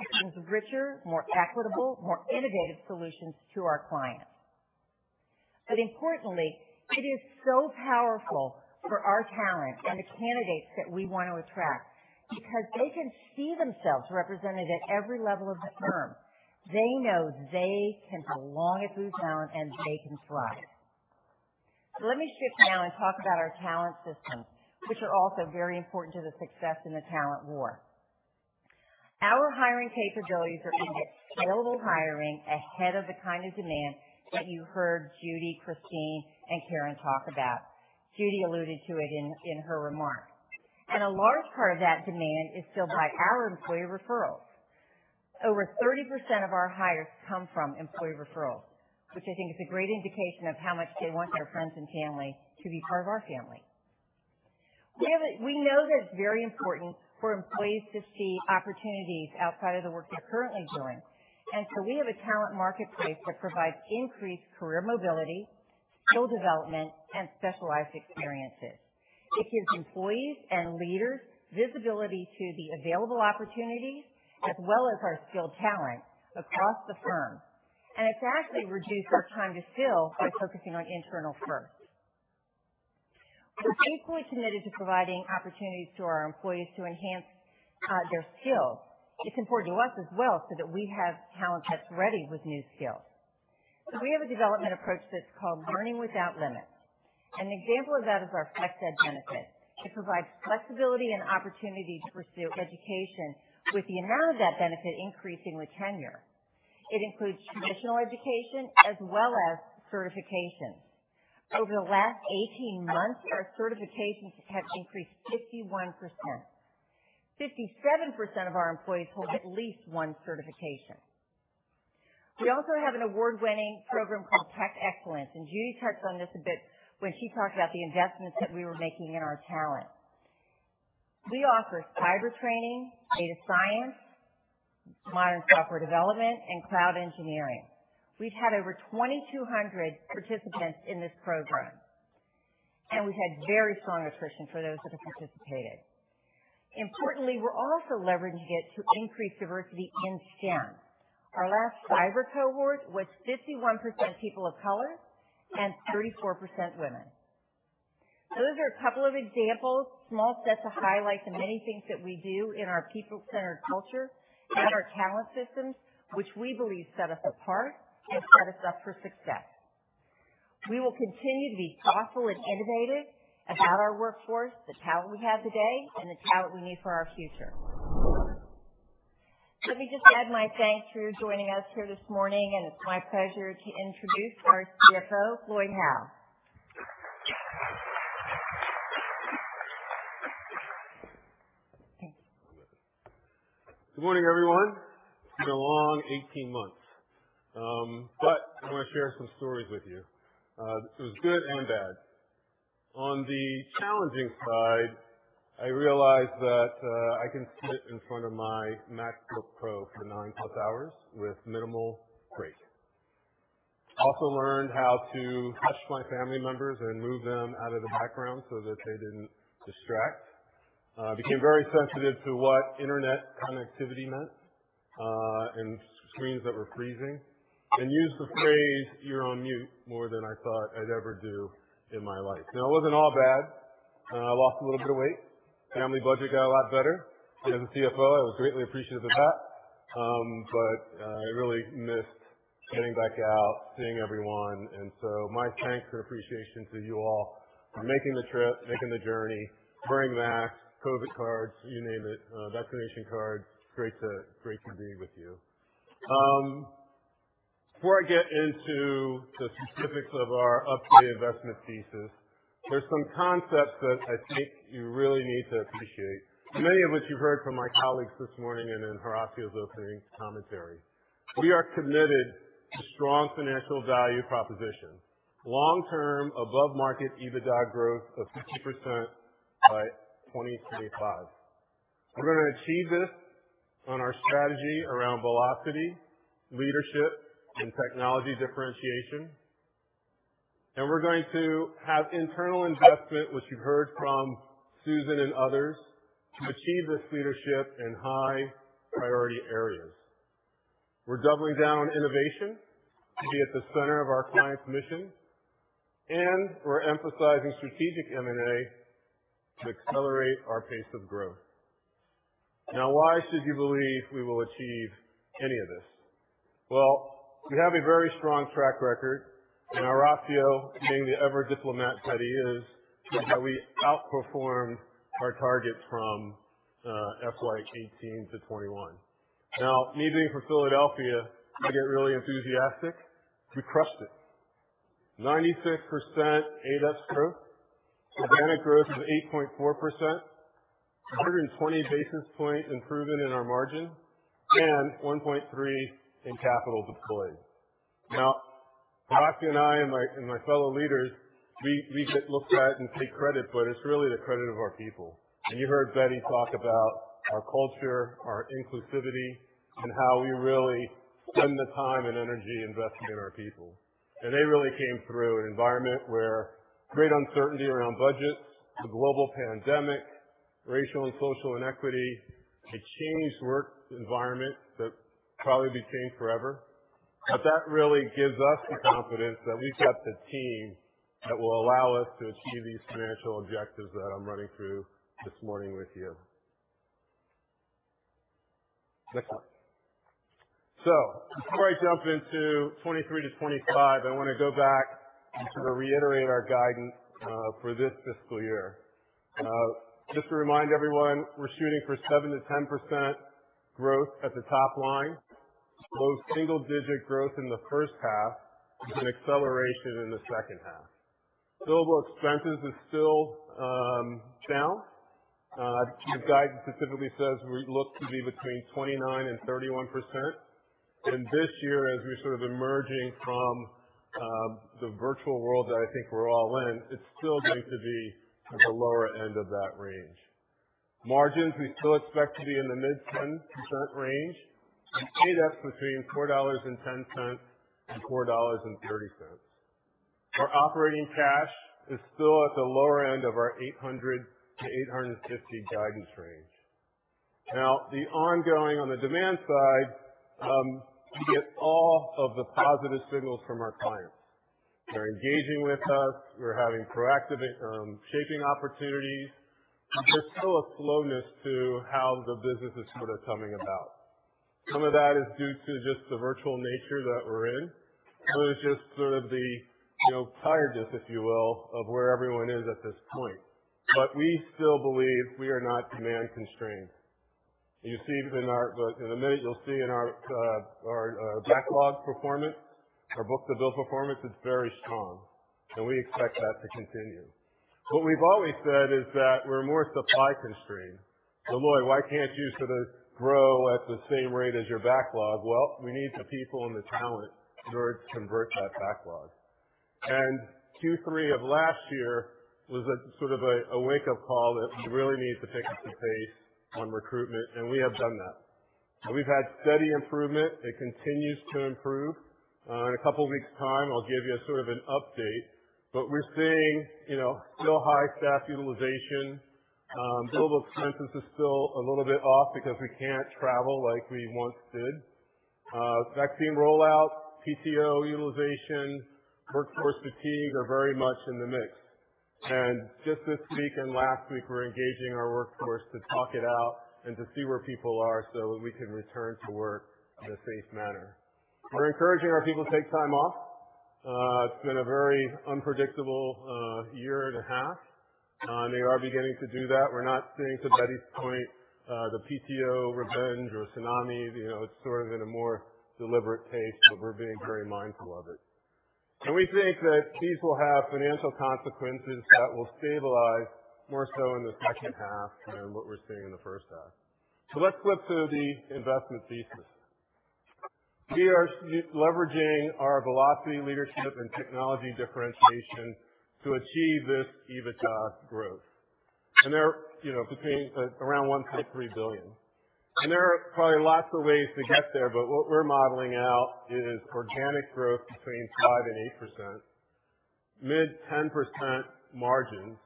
It brings richer, more equitable, more innovative solutions to our clients. Importantly, it is so powerful for our talent and the candidates that we want to attract because they can see themselves represented at every level of the firm. They know they can belong at Booz Allen, and they can thrive. Let me shift now and talk about our talent systems, which are also very important to the success in the talent war. Our hiring capabilities are scalable hiring ahead of the kind of demand that you heard Judi, Kristine, and Karen talk about. Judi alluded to it in her remarks. A large part of that demand is filled by our employee referrals. Over 30% of our hires come from employee referrals, which I think is a great indication of how much they want their friends and family to be part of our family. We know that it's very important for employees to see opportunities outside of the work they're currently doing. We have a talent marketplace that provides increased career mobility, skill development, and specialized experiences. It gives employees and leaders visibility to the available opportunities as well as our skilled talent across the firm. It's actually reduced our time to skill by focusing on internal first. We're equally committed to providing opportunities to our employees to enhance their skills. It's important to us as well so that we have talent that's ready with new skills. We have a development approach that's called Learning Without Limits. An example of that is our FlexEd benefit. It provides flexibility and opportunity to pursue education with the amount of that benefit increasing with tenure. It includes traditional education as well as certifications. Over the last 18 months, our certifications have increased 51%. 57% of our employees hold at least one certification. We also have an award-winning program called Tech Excellence, and Judi touched on this a bit when she talked about the investments that we were making in our talent. We offer cyber training, data science, modern software development, and cloud engineering. We've had over 2,200 participants in this program, and we've had very strong attrition for those that have participated. Importantly, we're also leveraging it to increase diversity in STEM. Our last cyber cohort was 51% people of color and 34% women. Those are a couple of examples, small sets of highlights of many things that we do in our people-centered culture and our talent systems, which we believe set us apart and set us up for success. We will continue to be thoughtful and innovative about our workforce, the talent we have today, and the talent we need for our future. Let me just add my thanks for joining us here this morning, and it's my pleasure to introduce our CFO, Lloyd Howell. Good morning, everyone. It's been a long 18 months. I'm gonna share some stories with you. This is good and bad. On the challenging side, I realized that I can sit in front of my MacBook Pro for 9+ hours with minimal break. Also learned how to hush my family members and move them out of the background so that they didn't distract. Became very sensitive to what internet connectivity meant, and screens that were freezing, and used the phrase, "You're on mute," more than I thought I'd ever do in my life. Now, it wasn't all bad. I lost a little bit of weight. Family budget got a lot better. As a CFO, I was greatly appreciative of that. I really missed getting back out, seeing everyone. My thanks and appreciation to you all for making the trip, making the journey, wearing masks, COVID cards, you name it, vaccination cards. Great to be with you. Before I get into the specifics of our up-to-date investment thesis, there's some concepts that I think you really need to appreciate. Many of which you've heard from my colleagues this morning and in Horacio's opening commentary. We are committed to strong financial value proposition, long-term above-market EBITDA growth of 50% by 2025. We're gonna achieve this on our strategy around velocity, leadership, and technology differentiation. We're going to have internal investment, which you heard from Susan and others, to achieve this leadership in high-priority areas. We're doubling down on innovation to be at the center of our clients' mission, and we're emphasizing strategic M&A to accelerate our pace of growth. Why should you believe we will achieve any of this? Well, we have a very strong track record, and Horacio, being the ever diplomat that he is, said that we outperformed our targets from FY 2018 to 2021. Me being from Philadelphia, I get really enthusiastic. We crushed it. 96% ADEPS growth. Organic growth of 8.4%. 120 basis point improvement in our margin and 1.3 in capital deployed. Horacio and I and my fellow leaders, we sit, look at it and take credit, but it's really the credit of our people. You heard Betty talk about our culture, our inclusivity, and how we really spend the time and energy investing in our people. They really came through an environment where great uncertainty around budgets, the global pandemic, racial and social inequity, a changed work environment that probably be changed forever. That really gives us the confidence that we've got the team that will allow us to achieve these financial objectives that I'm running through this morning with you. Next one. Before I jump into 23 to 25, I wanna go back and sort of reiterate our guidance for this fiscal year. Just to remind everyone, we're shooting for 7% to 10% growth at the top line. Low single-digit growth in the first half with an acceleration in the second half. Billable expenses is still down. The guidance specifically says we look to be between 29% and 31%. This year, as we're sort of emerging from the virtual world that I think we're all in, it's still going to be at the lower end of that range. Margins, we still expect to be in the mid-10% range. ADEPS between $4.10 and $4.30. Our operating cash is still at the lower end of our $800 million-$850 million guidance range. The ongoing on the demand side, we get all of the positive signals from our clients. They're engaging with us. We're having proactive shaping opportunities. There's still a slowness to how the business is sort of coming about. Some of that is due to just the virtual nature that we're in. Some of it is just sort of the, you know, tiredness, if you will, of where everyone is at this point. We still believe we are not demand constrained. You see in our in a minute, you'll see in our our backlog performance, our book-to-bill performance, it's very strong, and we expect that to continue. What we've always said is that we're more supply constrained. Lloyd, why can't you sort of grow at the same rate as your backlog? Well, we need the people and the talent in order to convert that backlog. Q3 of last year was a sort of a wake-up call that we really need to pick up the pace on recruitment, and we have done that. We've had steady improvement. It continues to improve. In a couple weeks' time, I'll give you sort of an update, but we're seeing, you know, still high staff utilization. Billable expenses is still a little bit off because we can't travel like we once did. Vaccine rollout, PTO utilization, workforce fatigue are very much in the mix. Just this week and last week, we're engaging our workforce to talk it out and to see where people are so we can return to work in a safe manner. We're encouraging our people to take time off. It's been a very unpredictable, year and a half. They are beginning to do that. We're not seeing, to Betty's point, the PTO revenge or tsunami. You know, it's sort of in a more deliberate pace, but we're being very mindful of it. We think that these will have financial consequences that will stabilize more so in the second half than what we're seeing in the first half. Let's flip to the investment thesis. We are leveraging our velocity, leadership and technology differentiation to achieve this EBITDA growth. There, you know, between, around $1.3 billion. There are probably lots of ways to get there, but what we're modeling out is organic growth between 5%-8%, mid 10% margins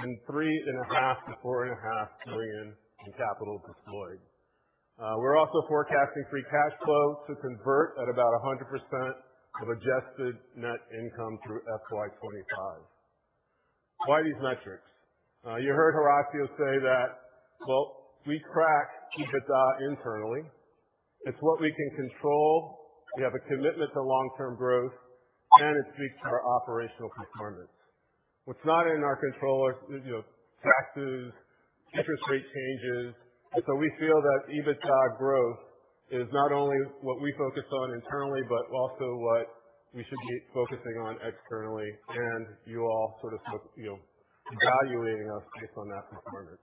and $3.5 billion-$4.5 billion in capital deployed. We're also forecasting free cash flow to convert at about 100% of adjusted net income through FY 2025. Why these metrics? You heard Horacio say that, well, we crack EBITDA internally. It's what we can control. We have a commitment to long-term growth, and it speaks to our operational performance. What's not in our control are, you know, taxes, interest rate changes. We feel that EBITDA growth is not only what we focus on internally, but also what we should be focusing on externally. You all sort of, you know, evaluating us based on that performance.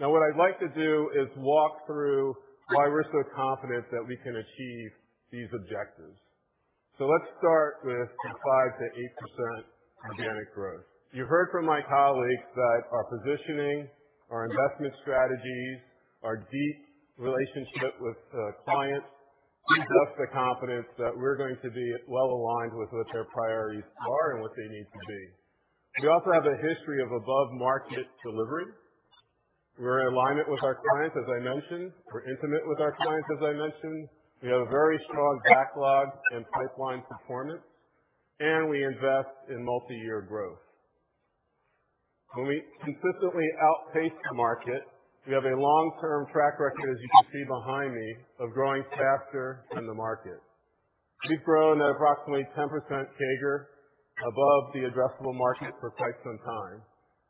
Now, what I'd like to do is walk through why we're so confident that we can achieve these objectives. Let's start with the 5%-8% organic growth. You heard from my colleagues that our positioning, our investment strategies, our deep relationship with clients gives us the confidence that we're going to be well aligned with what their priorities are and what they need to be. We also have a history of above-market delivery. We're in alignment with our clients, as I mentioned. We're intimate with our clients, as I mentioned. We have a very strong backlog and pipeline performance, and we invest in multi-year growth. When we consistently outpace the market, we have a long-term track record, as you can see behind me, of growing faster than the market. We've grown at approximately 10% CAGR above the addressable market for quite some time,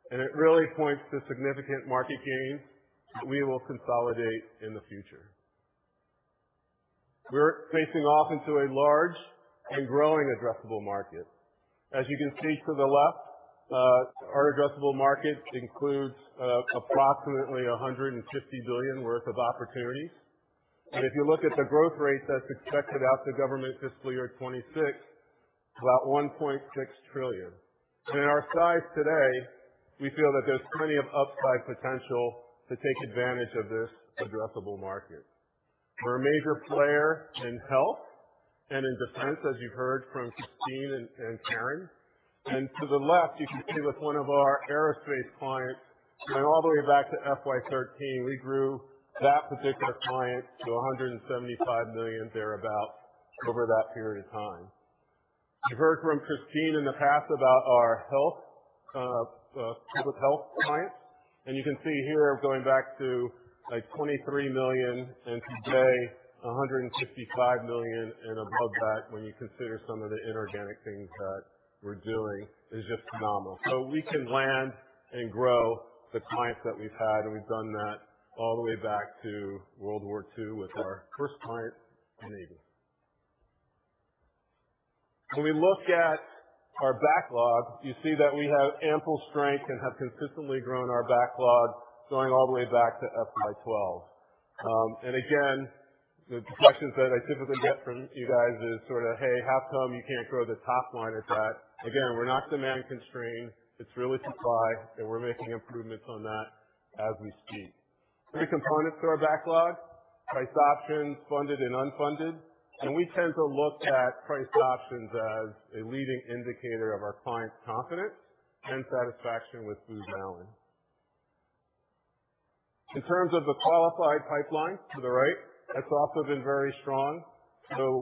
and it really points to significant market gains that we will consolidate in the future. We're facing off into a large and growing addressable market. As you can see to the left, our addressable market includes approximately $150 billion worth of opportunities. If you look at the growth rate that's expected out to government fiscal year 2026, about $1.6 trillion. In our size today, we feel that there's plenty of upside potential to take advantage of this addressable market. We're a major player in health and in defense, as you heard from Kristine and Karen. To the left, you can see with one of our aerospace clients going all the way back to FY 2013, we grew that particular client to $175 million thereabout over that period of time. You've heard from Kristine in the past about our health public health clients. You can see here going back to, like, $23 million, and today $155 million and above that, when you consider some of the inorganic things that we're doing is just phenomenal. We can land and grow the clients that we've had, and we've done that all the way back to World War II with our first client, the Navy. When we look at our backlog, you see that we have ample strength and have consistently grown our backlog going all the way back to FY 2012. Again, the questions that I typically get from you guys is sort of, "Hey, how come you can't grow the top line at that?" Again, we're not demand constrained. It's really supply, and we're making improvements on that as we speak. Three components to our backlog: priced options, funded and unfunded. We tend to look at priced options as a leading indicator of our clients' confidence and satisfaction with Booz Allen. In terms of the qualified pipeline to the right, that's also been very strong.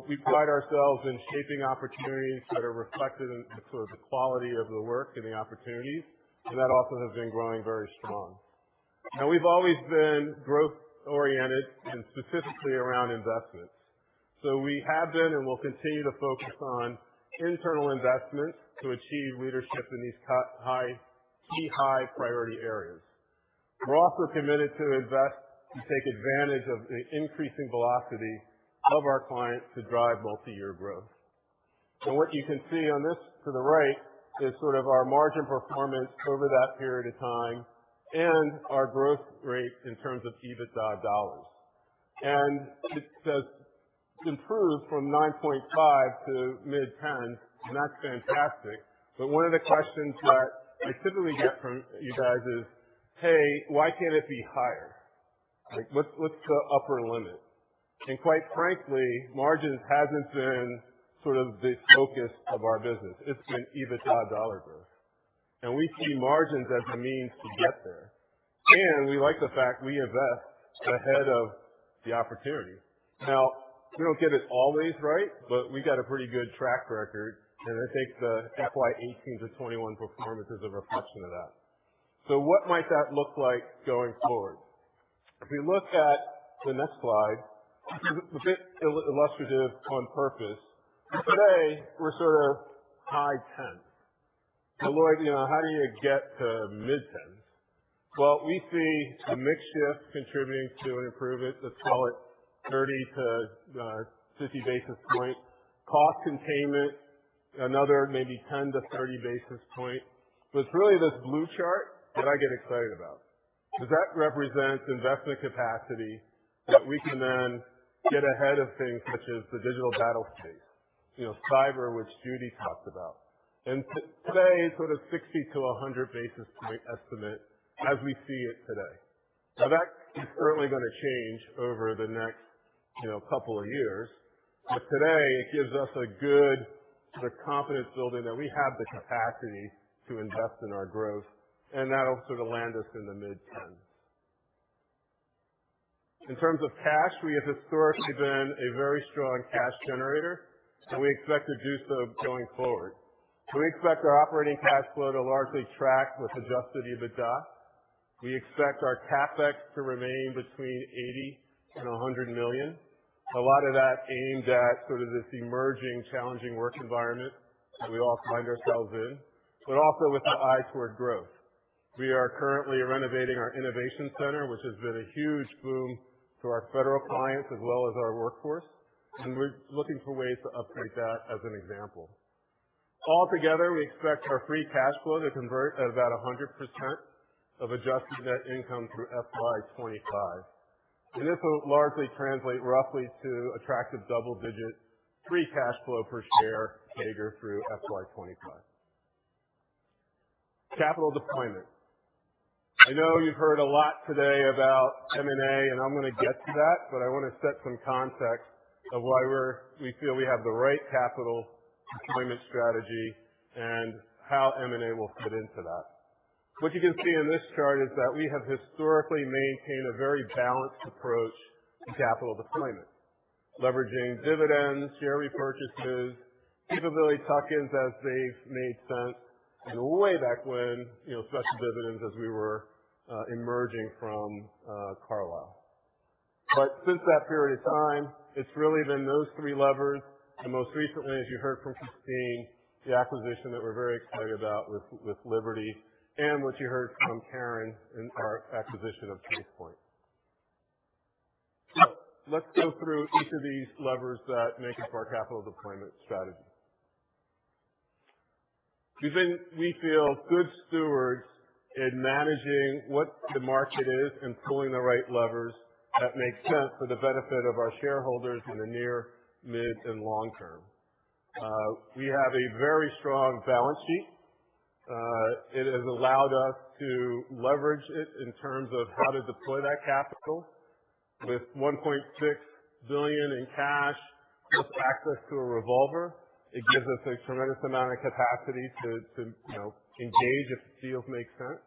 We pride ourselves in shaping opportunities that are reflected in sort of the quality of the work and the opportunities. That also has been growing very strong. We've always been growth-oriented and specifically around investments. We have been and will continue to focus on internal investments to achieve leadership in these key high priority areas. We're also committed to invest and take advantage of the increasing velocity of our clients to drive multi-year growth. What you can see on this to the right is sort of our margin performance over that period of time and our growth rate in terms of EBITDA dollars. It has improved from 9.5 to mid-10. That's fantastic. One of the questions that I typically get from you guys is, "Hey, why can't it be higher? Like, what's the upper limit?" Quite frankly, margins hasn't been sort of the focus of our business. It's been EBITDA dollar growth. We see margins as the means to get there. We like the fact we invest ahead of the opportunity. Now, we don't get it always right, but we got a pretty good track record. I think the FY 2018-2021 performance is a reflection of that. What might that look like going forward? If we look at the next slide, it's a bit ill-illustrative on purpose. Today we're sort of high tens. Lloyd, you know, how do you get to mid-tens? Well, we see a mix shift contributing to an improvement. Let's call it 30-50 basis points. Cost containment, another maybe 10-30 basis points. It's really this blue chart that I get excited about. That represents investment capacity that we can then get ahead of things such as the digital battlespace, you know, cyber, which Judi talked about. Today, sort of 60-100 basis point estimate as we see it today. That is certainly gonna change over the next, you know, couple of years. Today, it gives us a good sort of confidence building that we have the capacity to invest in our growth, and that'll sort of land us in the mid-tens. In terms of cash, we have historically been a very strong cash generator, and we expect to do so going forward. We expect our operating cash flow to largely track with adjusted EBITDA. We expect our CapEx to remain between $80 million-$100 million. A lot of that aimed at sort of this emerging challenging work environment that we all find ourselves in, but also with an eye toward growth. We are currently renovating our innovation center, which has been a huge boom to our federal clients as well as our workforce, and we're looking for ways to upgrade that as an example. Altogether, we expect our free cash flow to convert about 100% of adjusted net income through FY 2025. This will largely translate roughly to attractive double-digit free cash flow per share behavior through FY 2025. Capital deployment. I know you've heard a lot today about M&A, and I'm gonna get to that, but I wanna set some context of why we feel we have the right capital deployment strategy and how M&A will fit into that. What you can see in this chart is that we have historically maintained a very balanced approach to capital deployment, leveraging dividends, share repurchases, capability tuck-ins as they've made sense, and way back when, you know, special dividends as we were emerging from Carlyle. Since that period of time, it's really been those three levers. Most recently, as you heard from Kristine Martin Anderson, the acquisition that we're very excited about with Liberty, and what you heard from Karen Dahut in our acquisition of Tracepoint. Let's go through each of these levers that make up our capital deployment strategy. We've been, we feel, good stewards in managing what the market is and pulling the right levers that make sense for the benefit of our shareholders in the near, mid, and long term. We have a very strong balance sheet. It has allowed us to leverage it in terms of how to deploy that capital. With $1.6 billion in cash, plus access to a revolver, it gives us a tremendous amount of capacity to, you know, engage if deals make sense.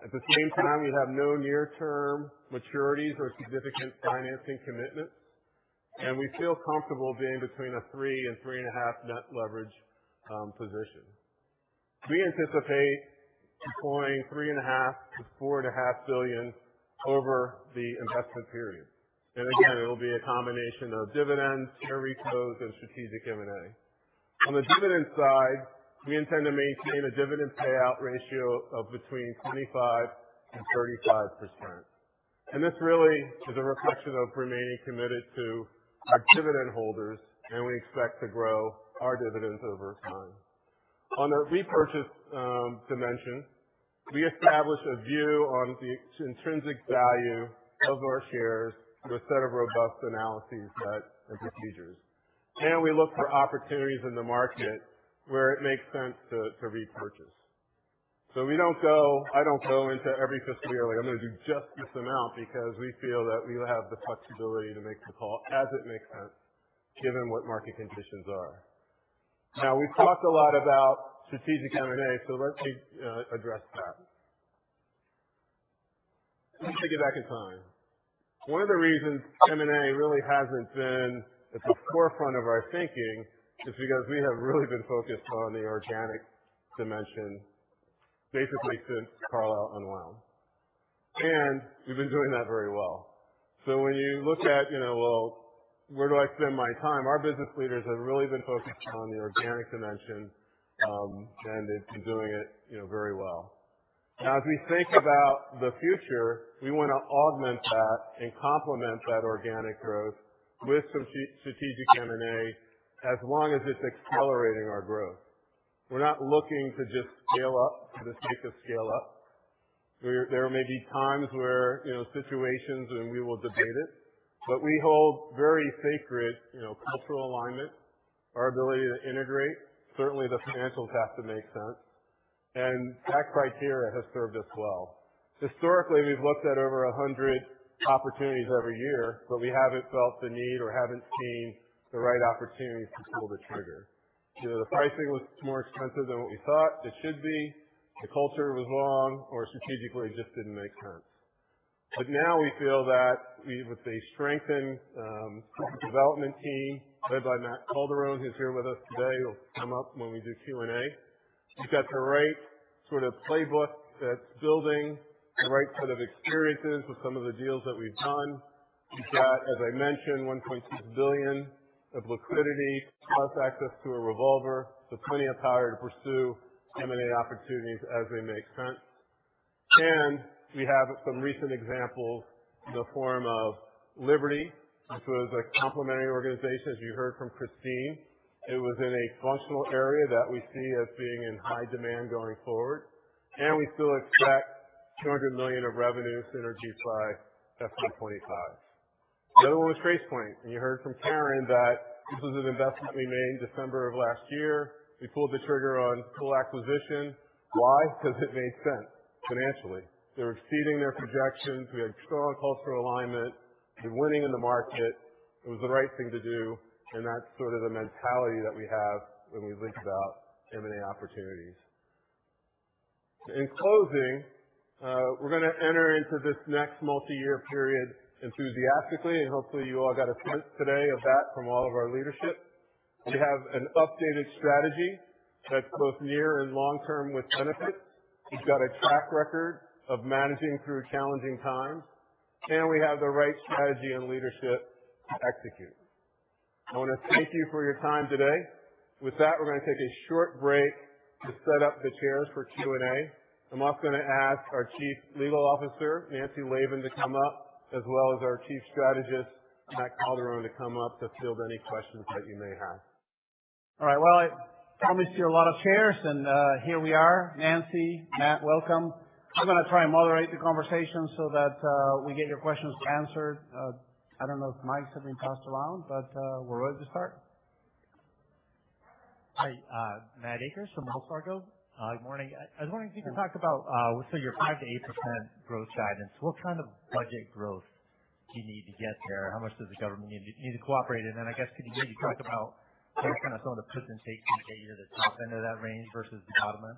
At the same time, we have no near-term maturities or significant financing commitments, and we feel comfortable being between a 3 and 3.5 net leverage position. We anticipate deploying $3.5 billion-$4.5 billion over the investment period. Again, it'll be a combination of dividends, share repos, and strategic M&A. On the dividend side, we intend to maintain a dividend payout ratio of between 25%-35%. This really is a reflection of remaining committed to our dividend holders, and we expect to grow our dividends over time. On the repurchase dimension, we establish a view on the intrinsic value of our shares through a set of robust analyses and procedures. We look for opportunities in the market where it makes sense to repurchase. I don't go into every fiscal year like, "I'm gonna do just this amount," because we feel that we have the flexibility to make the call as it makes sense given what market conditions are. Now, we've talked a lot about strategic M&A, let me address that. Let me take you back in time. One of the reasons M&A really hasn't been at the forefront of our thinking is because we have really been focused on the organic dimension basically since Carlyle unwound. We've been doing that very well. When you look at, you know, well, where do I spend my time? Our business leaders have really been focused on the organic dimension, and it's been doing it, you know, very well. Now, as we think about the future, we wanna augment that and complement that organic growth with some strategic M&A as long as it's accelerating our growth. We're not looking to just scale up for the sake of scale up. There, there may be times where, you know, situations when we will debate it, but we hold very sacred, you know, cultural alignment, our ability to integrate. Certainly, the financials have to make sense. That criteria has served us well. Historically, we've looked at over a hundred opportunities every year, but we haven't felt the need or haven't seen the right opportunity to pull the trigger. You know, the pricing was more expensive than what we thought it should be, the culture was wrong, or strategically, it just didn't make sense. Now we feel that we, with a strengthened development team led by Matthew Calderone, who's here with us today, he'll come up when we do Q&A. We've got the right sort of playbook that's building the right sort of experiences with some of the deals that we've done. We've got, as I mentioned, $1.6 billion of liquidity, plus access to a revolver, plenty of power to pursue M&A opportunities as they make sense. We have some recent examples in the form of Liberty, which was a complementary organization, as you heard from Kristine. It was in a functional area that we see as being in high demand going forward, and we still expect $200 million of revenue synergy by FY 2025. The other one was Tracepoint, and you heard from Karen that this was an investment we made in December of last year. We pulled the trigger on full acquisition. Why? Because it made sense financially. They were exceeding their projections. We had strong cultural alignment. They're winning in the market. It was the right thing to do, and that's sort of the mentality that we have when we think about M&A opportunities. In closing, we're gonna enter into this next multi-year period enthusiastically, and hopefully, you all got a sense today of that from all of our leadership. We have an updated strategy that's both near and long-term with benefits. We've got a track record of managing through challenging times, and we have the right strategy and leadership to execute. I wanna thank you for your time today. With that, we're gonna take a short break to set up the chairs for Q&A. I'm also gonna ask our chief legal officer, Nancy Laben, to come up, as well as our chief strategist, Matthew Calderone, to come up to field any questions that you may have. All right. Well, I promised you a lot of chairs and here we are. Nancy, Matt, welcome. I'm gonna try and moderate the conversation so that we get your questions answered. I don't know if mics have been passed around, we're ready to start. Hi, Matthew Akers from Wells Fargo. Good morning. I was wondering if you could talk about your 5%-8% growth guidance. What kind of budget growth do you need to get there? How much does the government need to cooperate? I guess you talked about what kind of some of the puts and takes that get you to the top end of that range versus the bottom end?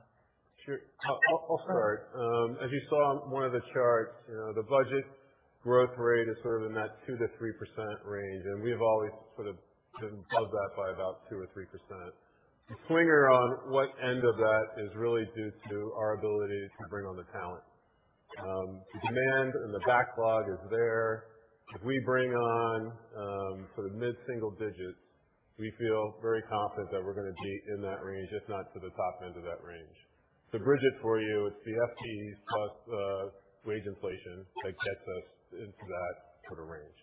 Sure. I'll start. As you saw on one of the charts, you know, the budget growth rate is sort of in that 2%-3% range. We have always sort of been above that by about 2% or 3%. The swinger on what end of that is really due to our ability to bring on the talent. The demand and the backlog is there. If we bring on sort of mid-single digits, we feel very confident that we're gonna be in that range, if not to the top end of that range. To bridge it for you, it's the FTEs plus wage inflation that gets us into that sort of range.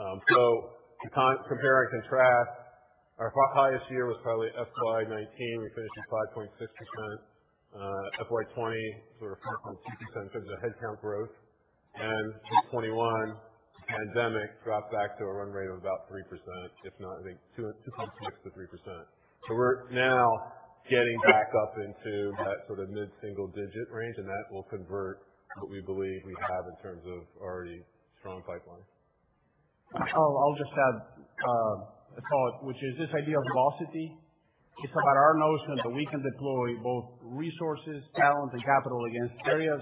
To compare and contrast, our highest year was probably FY 2019. We finished at 5.6%. FY 2020, sort of 4.6% because of the headcount growth. 2021, pandemic, dropped back to a run rate of about 3%, if not, I think 2.6%-3%. We're now getting back up into that sort of mid-single-digit range, and that will convert what we believe we have in terms of already strong pipeline. I'll just add a thought, which is this idea of velocity. It's about our notion that we can deploy both resources, talent, and capital against areas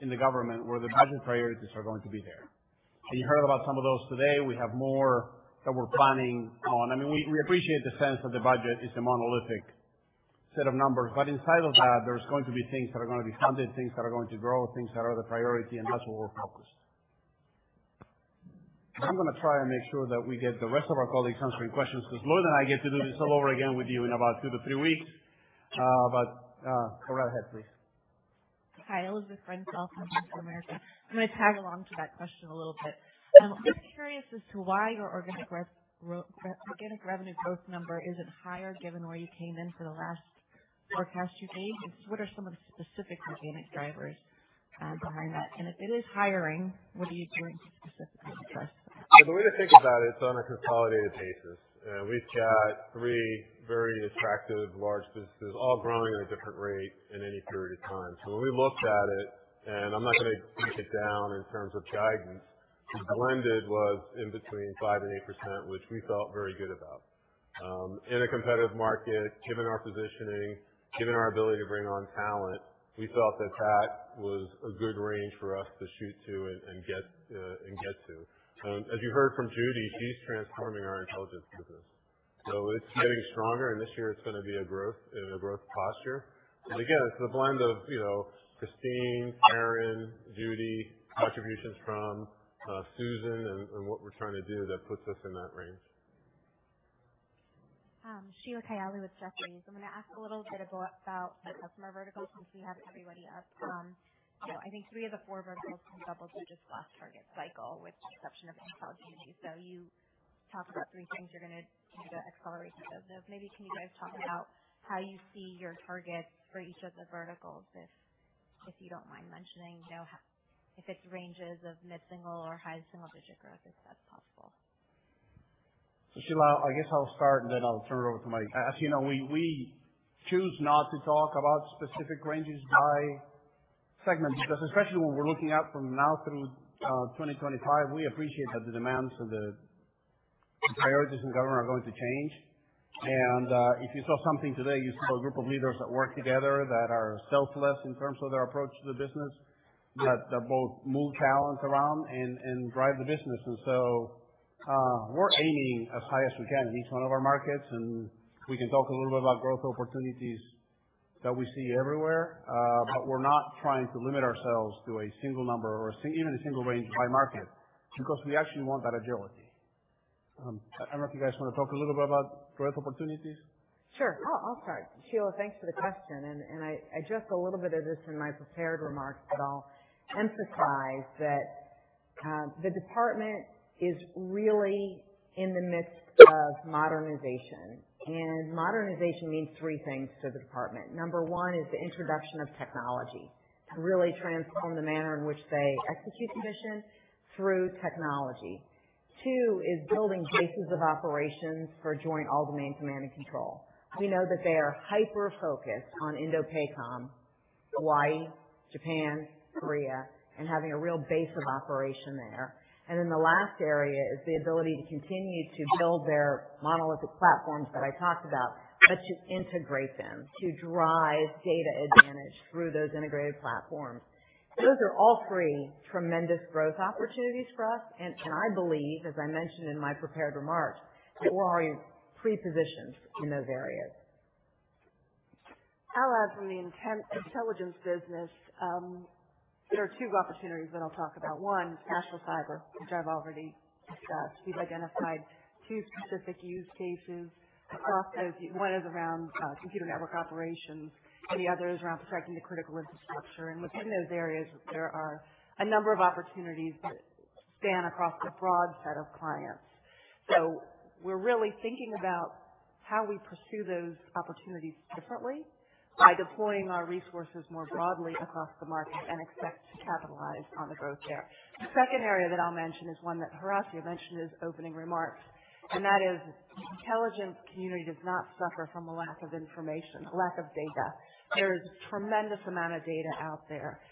in the government where the budget priorities are going to be there. You heard about some of those today. We have more that we're planning on. I mean, we appreciate the sense that the budget is a monolithic set of numbers, but inside of that, there's going to be things that are gonna be funded, things that are going to grow, things that are the priority, and that's where we're focused. I'm gonna try and make sure that we get the rest of our colleagues answering questions, because Lloyd and I get to do this all over again with you in about two-three weeks. Go right ahead, please. Hi, Elizabeth Reynolds from Bank of America. I'm gonna tag along to that question a little bit. Just curious as to why your organic revenue growth number isn't higher given where you came in for the last forecast you gave. What are some of the specific organic drivers behind that? If it is hiring, what are you doing specifically to address that? The way to think about it is on a consolidated basis. We've got three very attractive large businesses all growing at a different rate in any period of time. When we looked at it, and I'm not gonna beat it down in terms of guidance, the blended was in between 5% and 8%, which we felt very good about. In a competitive market, given our positioning, given our ability to bring on talent, we felt that that was a good range for us to shoot to and get to. As you heard from Judi, she's transforming our intelligence business. It's getting stronger, and this year it's gonna be in a growth posture. Again, it's the blend of, you know, Kristine, Karen, Judi, contributions from Susan and what we're trying to do that puts us in that range. Sheila Kahyaoglu with Jefferies. I'm gonna ask a little bit about the customer verticals since we have everybody up. You know, I think three of the four verticals have doubled since this last target cycle with the exception of intelligence. You talked about three things you're gonna do to accelerate each of those. Maybe can you guys talk about how you see your targets for each of the verticals, if you don't mind mentioning, you know, if it's ranges of mid-single or high single-digit growth, if that's possible. Sheila, I guess I'll start, and then I'll turn it over to Mike. As you know, we choose not to talk about specific ranges by segment because especially when we're looking out from now through 2025, we appreciate that the demands and the priorities in government are going to change. If you saw something today, you saw a group of leaders that work together, that are selfless in terms of their approach to the business, that both move talent around and drive the business. We're aiming as high as we can in each one of our markets, and we can talk a little bit about growth opportunities that we see everywhere. We're not trying to limit ourselves to a single number or even a single range by market because we actually want that agility. I don't know if you guys wanna talk a little bit about growth opportunities? Sure. I'll start. Sheila, thanks for the question. I addressed a little bit of this in my prepared remarks, but I'll emphasize that the Department is really in the midst of modernization, and modernization means three things to the Department. Number one is the introduction of technology to really transform the manner in which they execute the mission through technology. Two is building bases of operations for Joint All-Domain Command and Control. We know that they are hyper-focused on INDOPACOM, Hawaii, Japan, Korea, and having a real base of operation there. Then the last area is the ability to continue to build their monolithic platforms that I talked about, but to integrate them to drive data advantage through those integrated platforms. Those are all three tremendous growth opportunities for us. I believe, as I mentioned in my prepared remarks, that we're already pre-positioned in those areas. All right. From the intelligence business, there are two opportunities that I'll talk about. One is national cyber, which I've already discussed. We've identified two specific use cases across those. One is around computer network operations, and the other is around protecting the critical infrastructure. Within those areas, there are a number of opportunities that span across a broad set of clients. We're really thinking about how we pursue those opportunities differently by deploying our resources more broadly across the market and expect to capitalize on the growth there. The second area that I'll mention is one that Horacio mentioned in his opening remarks, and that is the intelligence community does not suffer from a lack of information, a lack of data. There is a tremendous amount of data out there.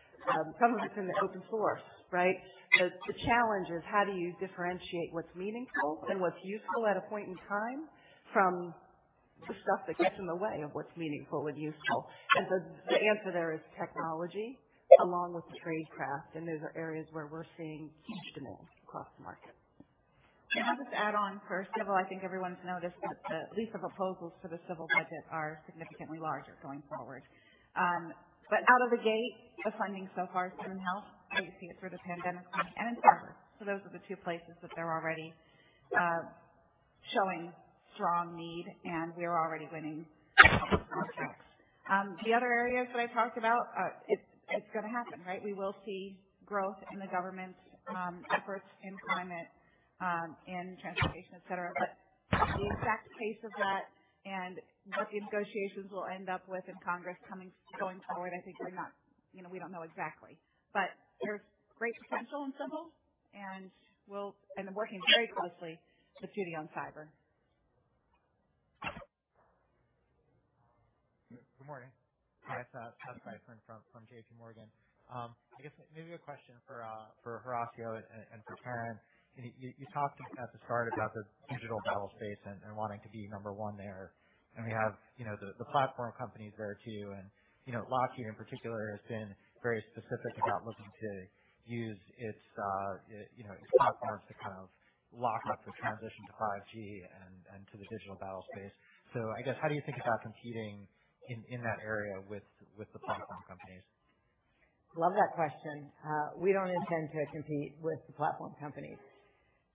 Some of it's in the open source, right? The challenge is how do you differentiate what's meaningful and what's useful at a point in time from the stuff that gets in the way of what's meaningful and useful. The answer there is technology along with tradecraft, and those are areas where we're seeing customer moves across the market. Can I just add on for Civil Sector? I think everyone's noticed that the list of proposals for the Civil budget are significantly larger going forward. Out of the gate, the funding so far has been health, as you see it through the pandemic funding and in cyber. Those are the two places that they're already showing strong need, and we are already winning projects. The other areas that I talked about, it's gonna happen, right? We will see growth in the government's efforts in climate, in transportation, et cetera. The exact pace of that and what the negotiations will end up with in Congress going forward, I think we're not, you know, we don't know exactly. There's great potential in Civil Sector, and I'm working very closely with Judi on cyber. Good morning. Yes, Todd Pfeiffer from JPMorgan. I guess maybe a question for Horacio and for Karen. You talked at the start about the digital battlespace and wanting to be number one there. We have, you know, the platform companies there too. You know, Lockheed in particular has been very specific about looking to use its, you know, its platforms to kind of lock up the transition to 5G and to the digital battlespace. I guess, how do you think about competing in that area with the platform companies? Love that question. We don't intend to compete with the platform companies.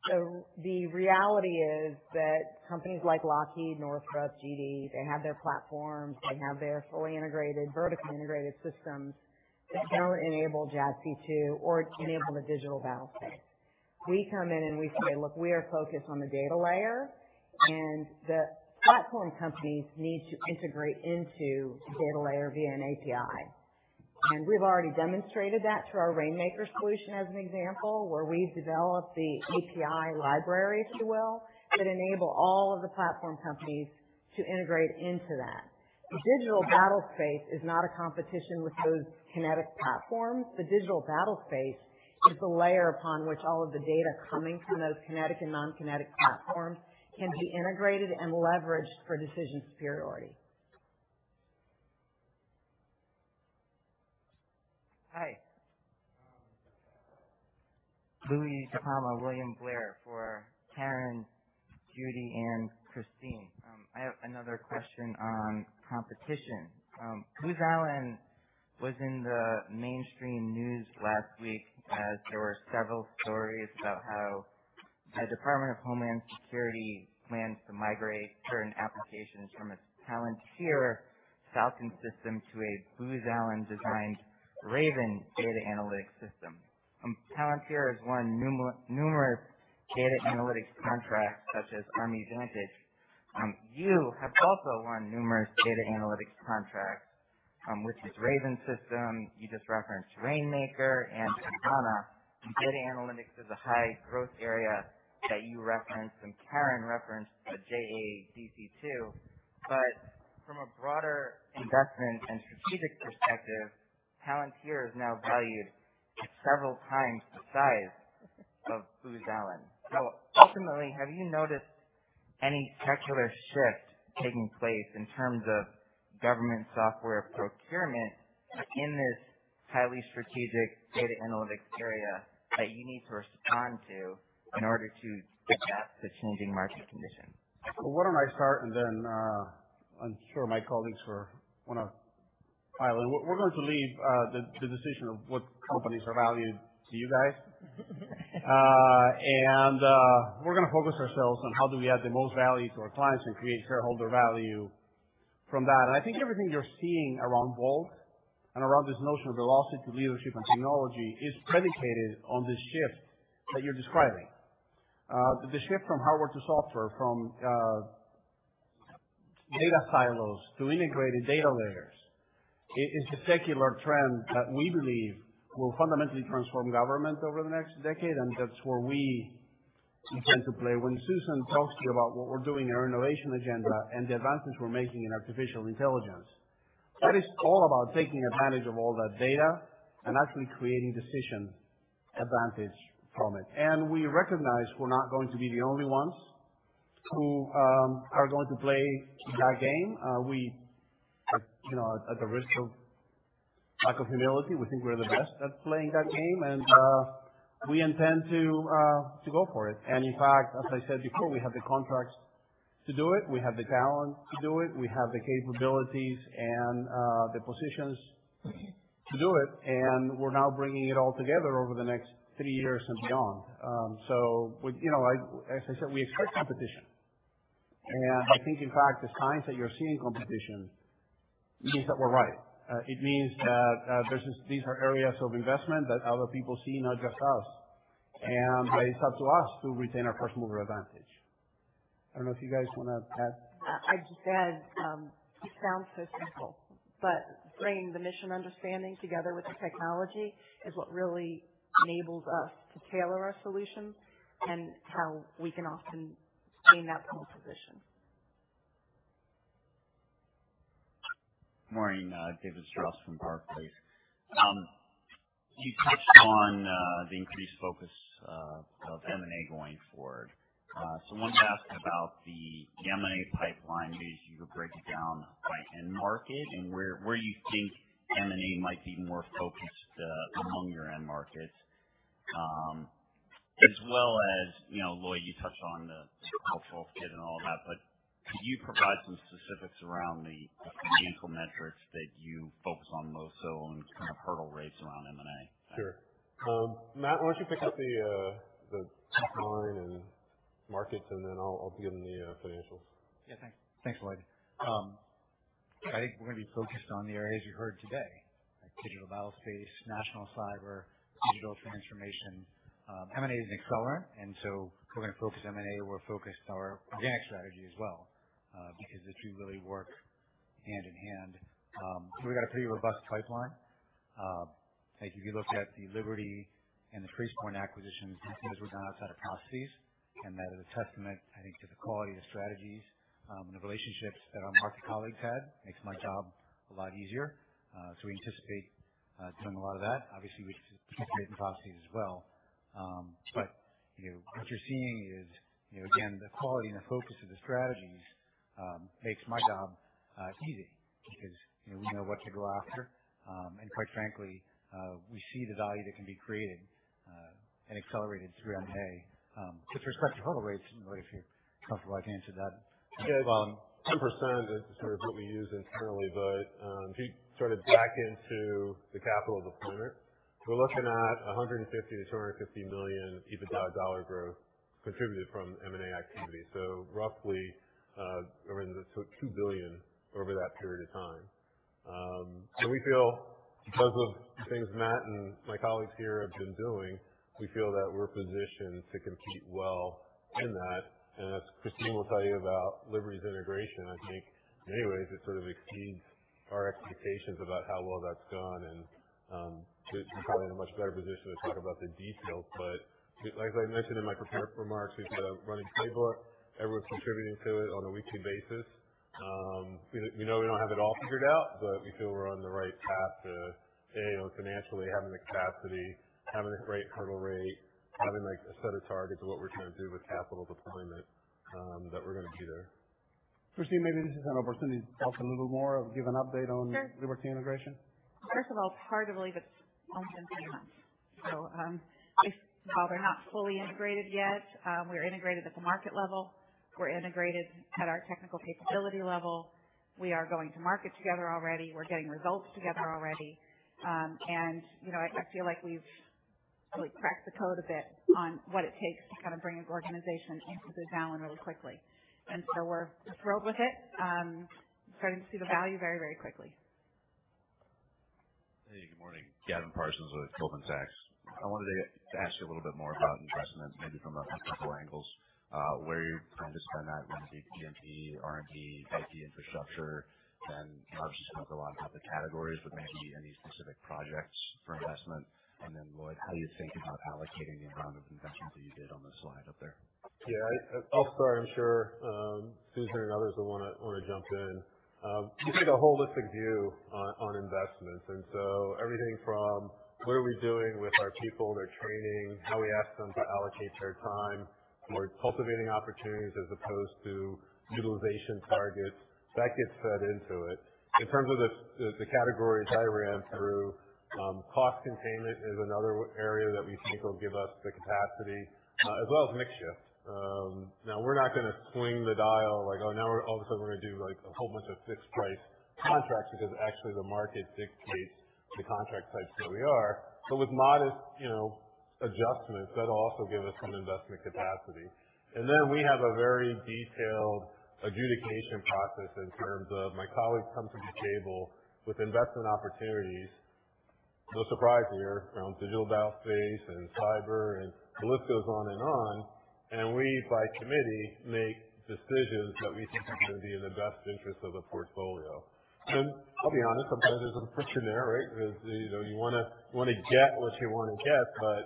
The reality is that companies like Lockheed, Northrop, GD, they have their platforms, they have their fully integrated, vertical integrated systems that don't enable JADC2 or enable the digital battlespace. We come in and we say, "Look, we are focused on the data layer, and the platform companies need to integrate into the data layer via an API." We've already demonstrated that through our Rainmaker solution as an example, where we've developed the API library, if you will, that enable all of the platform companies to integrate into that. The digital battlespace is not a competition with those kinetic platforms. The digital battlespace is the layer upon which all of the data coming from those kinetic and non-kinetic platforms can be integrated and leveraged for decision superiority. Hi. Louie DiPalma, William Blair for Karen, Judi, and Kristine. I have another question on competition. Booz Allen was in the mainstream news last week as there were several stories about how the Department of Homeland Security plans to migrate certain applications from a Palantir Falcon system to a Booz Allen designed RAVEn data analytics system. Palantir has won numerous data analytics contracts such as Army Vantage. You have also won numerous data analytics contracts with this RAVEn system you just referenced, Rainmaker and Advana. Data analytics is a high-growth area that you referenced and Karen referenced at JADC2. From a broader investment and strategic perspective, Palantir is now valued at several times the size of Booz Allen. Ultimately, have you noticed any secular shift taking place in terms of government software procurement in this highly strategic data analytics area that you need to respond to in order to adapt to changing market conditions? Why don't I start, and then, I'm sure my colleagues will wanna pile in. We're going to leave the decision of what companies are valued to you guys. We're gonna focus ourselves on how do we add the most value to our clients and create shareholder value from that. I think everything you're seeing around VoLT and around this notion of velocity to leadership and technology is predicated on this shift that you're describing. The shift from hardware to software, from Data silos to integrated data layers is the secular trend that we believe will fundamentally transform government over the next decade, and that's where we intend to play. When Susan talks to you about what we're doing in our innovation agenda and the advances we're making in artificial intelligence, that is all about taking advantage of all that data and actually creating decision advantage from it. We recognize we're not going to be the only ones who are going to play that game. We, you know, at the risk of lack of humility, we think we're the best at playing that game and we intend to go for it. In fact, as I said before, we have the contracts to do it, we have the talent to do it, we have the capabilities and the positions to do it, and we're now bringing it all together over the next three years and beyond. You know, I, as I said, we expect competition. I think in fact, the signs that you're seeing competition means that we're right. It means that these are areas of investment that other people see, not just us. It's up to us to retain our first-mover advantage. I don't know if you guys wanna add. I just add, it sounds so simple, but bringing the mission understanding together with the technology is what really enables us to tailor our solutions and how we can often gain that pole position. Morning, David Strauss from Barclays. You touched on the increased focus of M&A going forward. I wanted to ask about the M&A pipeline, maybe if you could break it down by end market and where you think M&A might be more focused among your end markets. As well as, you know, Lloyd, you touched on the cultural fit and all of that, but could you provide some specifics around the financial metrics that you focus on most so and kind of hurdle rates around M&A? Sure. Matthew, why don't you pick up the pipeline and markets, and then I'll give them the financials. Yeah, thanks. Thanks, Lloyd. I think we're gonna be focused on the areas you heard today, like digital battlespace, national cyber, digital transformation. M&A is an accelerant, we're gonna focus M&A, we're focused on our organic strategy as well, because the two really work hand in hand. We got a pretty robust pipeline. Like if you look at the Liberty and the Tracepoint acquisitions, you see those were done outside of processes, and that is a testament, I think, to the quality of the strategies, and the relationships that our market colleagues had. Makes my job a lot easier. We anticipate doing a lot of that. Obviously, we participate in processes as well. You know, what you're seeing is, you know, again, the quality and the focus of the strategies makes my job easy because, you know, we know what to go after. Quite frankly, we see the value that can be created and accelerated through M&A. With respect to hurdle rates, Lloyd, if you're comfortable, I can answer that. Yeah. 10% is sort of what we use internally, but if you sort of back into the capital deployment, we're looking at $150 million-$250 million EBITDA growth contributed from M&A activity. Roughly, over the so $2 billion over that period of time. We feel because of the things Matt and my colleagues here have been doing, we feel that we're positioned to compete well in that. As Kristine Martin Anderson will tell you about Liberty's integration, I think in many ways it sort of exceeds our expectations about how well that's gone. She's probably in a much better position to talk about the details. Like I mentioned in my pre-remarks, we've got a running playbook. Everyone's contributing to it on a weekly basis. We know we don't have it all figured out, but we feel we're on the right path to, A, you know, financially having the capacity, having a great hurdle rate, having, like, a set of targets of what we're trying to do with capital deployment, that we're gonna be there. Kristine, maybe this is an opportunity to talk a little more or give an update on- Sure. The Liberty integration. First of all, it's hard to believe it's only been three months. While we're not fully integrated yet, we are integrated at the market level. We're integrated at our technical capability level. We are going to market together already. We're getting results together already. You know, I feel like we've really cracked the code a bit on what it takes to kind of bring an organization into the talent really quickly. We're thrilled with it. Starting to see the value very, very quickly. Hey, good morning. Gavin Parsons with Goldman Sachs. I wanted to ask you a little bit more about investments, maybe from a couple angles. Where you plan to spend that, whether it be B&P, R&D, IT infrastructure. Obviously you spoke a lot about the categories, but maybe any specific projects for investment. Lloyd, how you think about allocating the amount of investments that you did on the slide up there? Yeah. I'll start. I'm sure Susan and others will wanna jump in. We take a holistic view on investments, everything from what are we doing with our people, their training, how we ask them to allocate their time. We're cultivating opportunities as opposed to utilization targets. That gets fed into it. In terms of the categories I ran through, cost containment is another area that we think will give us the capacity, as well as mix shift. Now we're not gonna swing the dial like, oh, now all of a sudden we're gonna do, like, a whole bunch of fixed price contracts because actually the market dictates the contract types where we are. With modest, you know, adjustments, that'll also give us some investment capacity. Then we have a very detailed adjudication process in terms of my colleagues come to the table with investment opportunities. No surprise here around digital battlespace and cyber, and the list goes on and on. We, by committee, make decisions that we think are going to be in the best interest of the portfolio. I'll be honest, sometimes there's some friction there, right? Because, you know, you wanna, you wanna get what you wanna get, but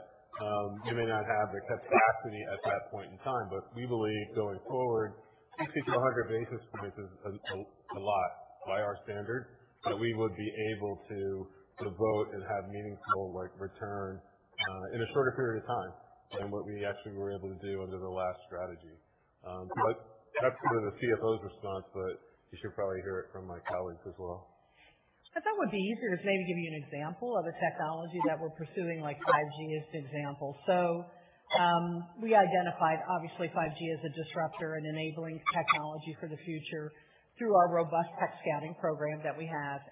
you may not have the capacity at that point in time. We believe going forward, 60 to 100 basis points is a lot by our standard, that we would be able to vote and have meaningful, like, return in a shorter period of time than what we actually were able to do under the last strategy. That's sort of the CFO's response, but you should probably hear it from my colleagues as well. I thought it would be easier to maybe give you an example of a technology that we're pursuing, like 5G as an example. We identified obviously 5G as a disruptor and enabling technology for the future through our robust tech scouting program that we have.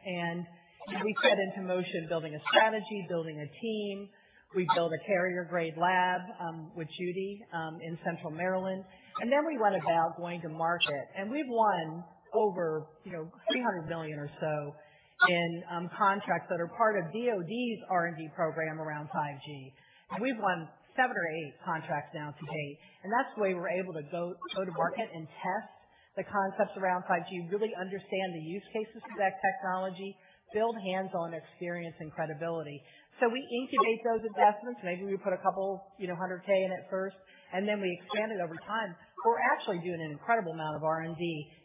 We set into motion building a strategy, building a team. We built a carrier-grade lab with Judi in Central Maryland, we went about going to market. We've won over, you know, $300 million or so in contracts that are part of DoD's R&D program around 5G. We've won 7 or 8 contracts now to date, that's the way we're able to go to market and test the concepts around 5G, really understand the use cases for that technology, build hands-on experience and credibility. We incubate those investments. Maybe we put a couple, you know, $100K in it first, and then we expand it over time. We're actually doing an incredible amount of R&D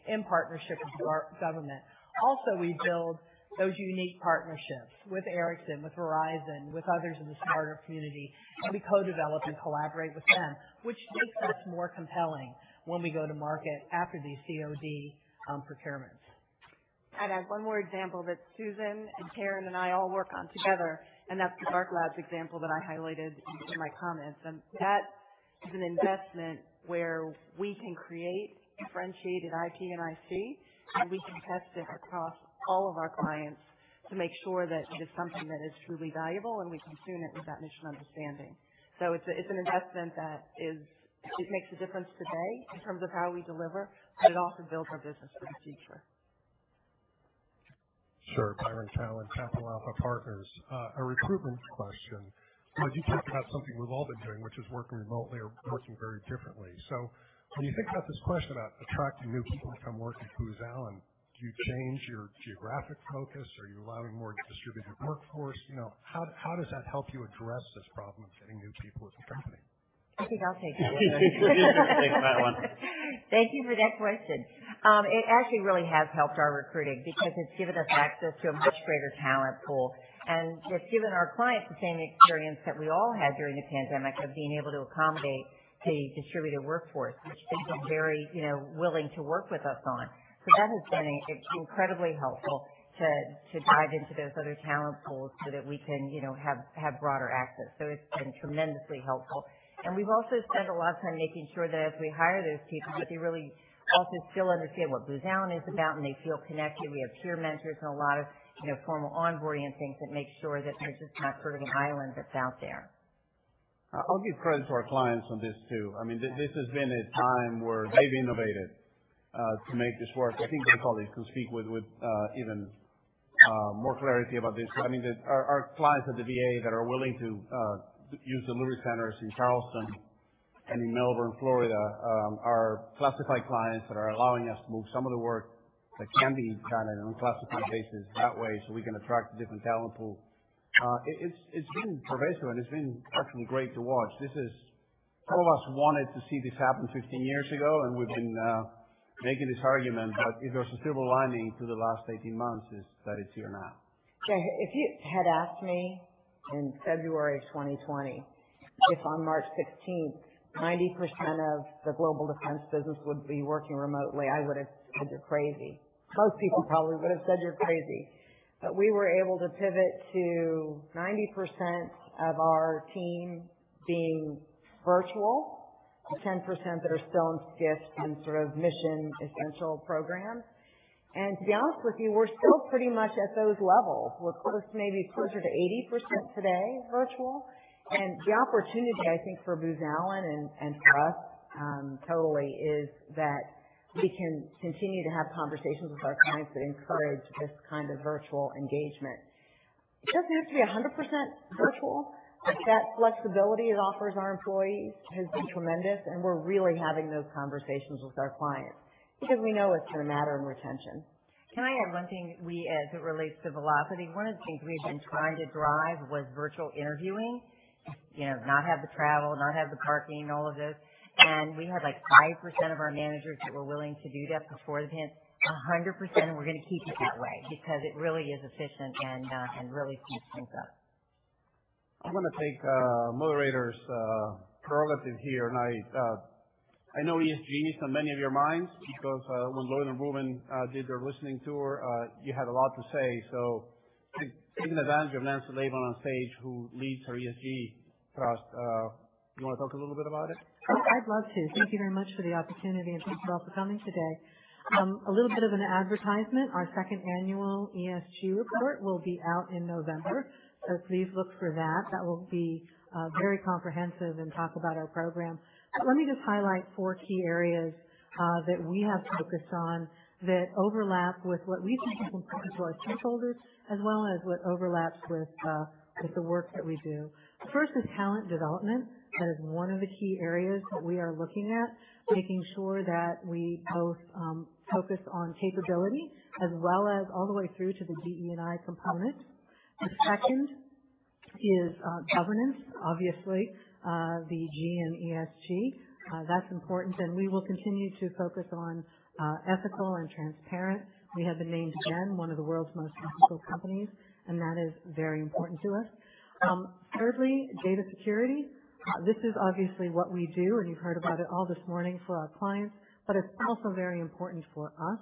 in partnership with our government. We build those unique partnerships with Ericsson, with Verizon, with others in the smarter community, and we co-develop and collaborate with them, which makes us more compelling when we go to market after these DoD procurements. I'd add one more example that Susan and Karen and I all work on together, and that's the DarkLabs example that I highlighted in my comments. That is an investment where we can create differentiated IP and IC, and we can test it across all of our clients to make sure that it is something that is truly valuable, and we can tune it with that mission understanding. It's an investment that makes a difference today in terms of how we deliver, but it also builds our business for the future. Sure. Byron Callan, Capital Alpha Partners. a recruitment question. As you think about something we've all been doing, which is working remotely or working very differently. When you think about this question about attracting new people to come work at Booz Allen, do you change your geographic focus? Are you allowing more distributed workforce? You know, how does that help you address this problem of getting new people as a company? I think I'll take that one. You take that one. Thank you for that question. It actually really has helped our recruiting because it's given us access to a much greater talent pool, and it's given our clients the same experience that we all had during the pandemic of being able to accommodate a distributed workforce, which they've been very, you know, willing to work with us on. That has been incredibly helpful to dive into those other talent pools so that we can, you know, have broader access. It's been tremendously helpful. We've also spent a lot of time making sure that as we hire those people, that they really also still understand what Booz Allen is about, and they feel connected. We have peer mentors and a lot of, you know, formal onboarding and things that make sure that they're just not sort of an island that's out there. I'll give credit to our clients on this too. I mean, this has been a time where they've innovated to make this work. I think my colleagues can speak with even more clarity about this. I mean, our clients at the VA that are willing to use the delivery centers in Charleston and in Melbourne, Florida, our classified clients that are allowing us to move some of the work that can be done on an unclassified basis that way so we can attract a different talent pool. It's been pervasive, and it's been actually great to watch. This is all of us wanted to see this happen 15 years ago, and we've been making this argument. If there's a silver lining to the last 18 months, is that it's here now. Jay, if you had asked me in February 2020 if on March 16th, 90% of the Global Defense business would be working remotely, I would have said you're crazy. Most people probably would have said you're crazy. We were able to pivot to 90% of our team being virtual, 10% that are still in SCIFs and sort of mission essential programs. To be honest with you, we're still pretty much at those levels. We're close, maybe closer to 80% today virtual. The opportunity, I think, for Booz Allen and for us, totally is that we can continue to have conversations with our clients that encourage this kind of virtual engagement. It doesn't have to be 100% virtual, but that flexibility it offers our employees has been tremendous, and we're really having those conversations with our clients because we know it's gonna matter in retention. Can I add one thing we as it relates to velocity? One of the things we've been trying to drive was virtual interviewing. You know, not have the travel, not have the parking, all of this. We had, like, 5% of our managers that were willing to do that before the pan. 100%, and we're gonna keep it that way because it really is efficient and really speeds things up. I'm gonna take moderator's prerogative here, and I know ESG is on many of your minds because when Lloyd and Rubun did their listening tour, you had a lot to say. Taking advantage of Nancy Laben on stage, who leads our ESG trust, you wanna talk a little bit about it? I'd love to. Thank you very much for the opportunity and thanks all for coming today. A little bit of an advertisement. Our 2nd annual ESG report will be out in November. Please look for that. That will be very comprehensive and talk about our program. Let me just highlight four key areas that we have focused on that overlap with what we think is important to our shareholders as well as what overlaps with the work that we do. First is talent development. That is one of the key areas that we are looking at, making sure that we both focus on capability as well as all the way through to the DE&I component. The 2nd is governance, obviously, the G in ESG. That's important. We will continue to focus on ethical and transparent. We have been named again one of the world's most ethical companies. That is very important to us. Thirdly, data security. This is obviously what we do, and you've heard about it all this morning for our clients, but it's also very important for us.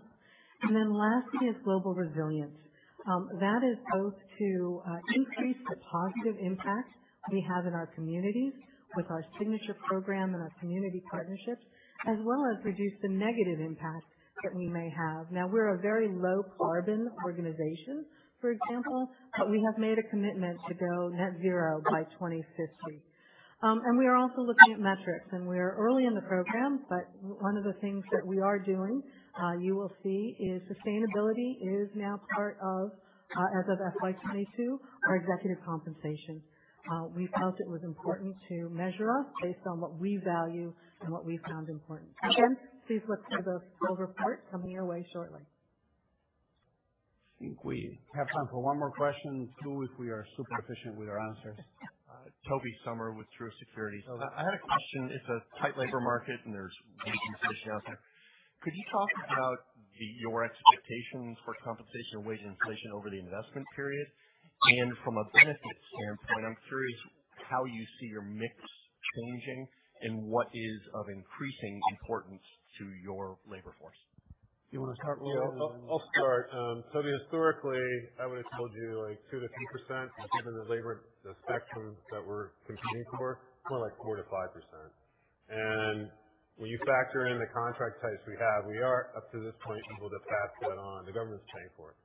Lastly is global resilience. That is both to increase the positive impact we have in our communities with our signature program and our community partnerships, as well as reduce the negative impact that we may have. Now, we're a very low carbon organization, for example, but we have made a commitment to go net zero by 2050. We are also looking at metrics, and we are early in the program, but one of the things that we are doing, you will see is sustainability is now part of, as of FY 2022, our executive compensation. We felt it was important to measure us based on what we value and what we found important. Again, please look for the full report coming your way shortly. I think we have time for One more question. Two if we are super efficient with our answers. Tobey Sommer with Truist Securities. I had a question. It's a tight labor market, and there's wage inflation out there. Could you talk about your expectations for compensation and wage inflation over the investment period? From a benefit standpoint, I'm curious how you see your mix changing and what is of increasing importance to your labor force. Do you wanna start, Lloyd? Yeah, I'll start. Historically, I would have told you like 2% to 3%, given the labor, the spectrum that we're competing for, more like 4% to 5%. When you factor in the contract types we have, we are up to this point able to pass that on. The government's paying for it.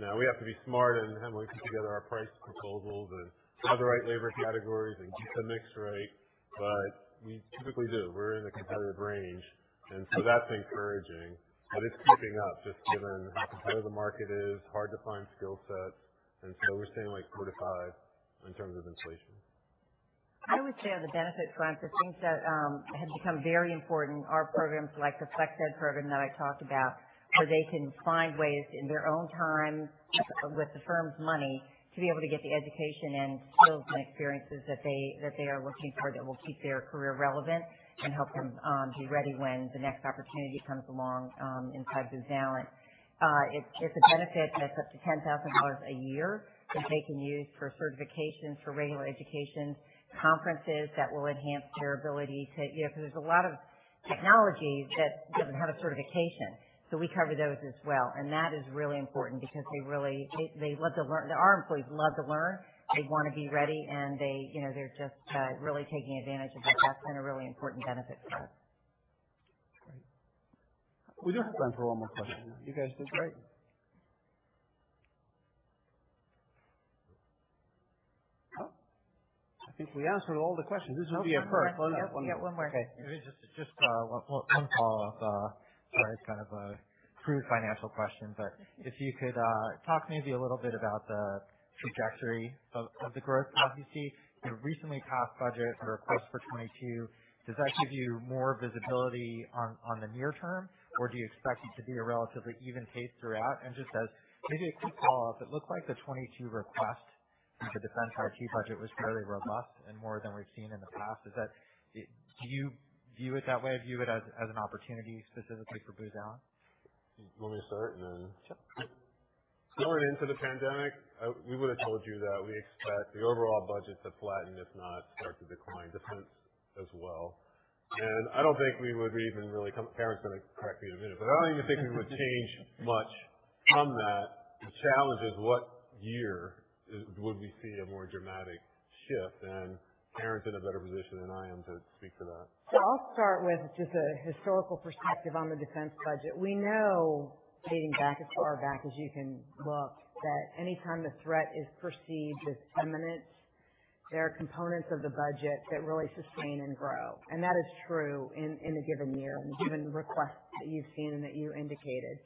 We have to be smart in how we put together our price proposals and have the right labor categories and get the mix right, but we typically do. We're in a competitive range, that's encouraging. It's ticking up just given how competitive the market is, hard to find skill sets. We're saying like 4% to 5% in terms of inflation. I would say on the benefit front, the things that have become very important are programs like the FlexEd program that I talked about, where they can find ways in their own time with the firm's money to be able to get the education and skills and experiences that they are looking for that will keep their career relevant and help them be ready when the next opportunity comes along inside Booz Allen. It's a benefit that's up to $10,000 a year that they can use for certification, for regular education, conferences that will enhance their ability to, you know, because there's a lot of technologies that have a certification. We cover those as well. That is really important because they really love to learn. Our employees love to learn. They wanna be ready, they, you know, they're just really taking advantage of that. That's been a really important benefit for us. Great. We do have time for one more question. You guys did great. I think we answered all the questions. This will be a first. Yep. We got one more. Okay. Maybe just one follow-up. Sorry, it's kind of a crude financial question, but if you could talk maybe a little bit about the trajectory of the growth path you see. The recently passed budget, the request for 22, does that give you more visibility on the near term, or do you expect it to be a relatively even pace throughout? Just as maybe a quick follow-up, it looks like the 22 request for the defense RDT&E budget was fairly robust and more than we've seen in the past. Do you view it that way, view it as an opportunity specifically for Booz Allen? You want me to start and then. Sure. Going into the pandemic, we would have told you that we expect the overall budget to flatten, if not start to decline, defense as well. I don't think we would even really Karen's gonna correct me in a minute, but I don't even think we would change much on that. The challenge is, would we see a more dramatic shift? Karen's in a better position than I am to speak to that. I'll start with just a historical perspective on the defense budget. We know dating back as far back as you can look that any time the threat is perceived as imminent, there are components of the budget that really sustain and grow. That is true in a given year and the given request that you've seen and that you indicated.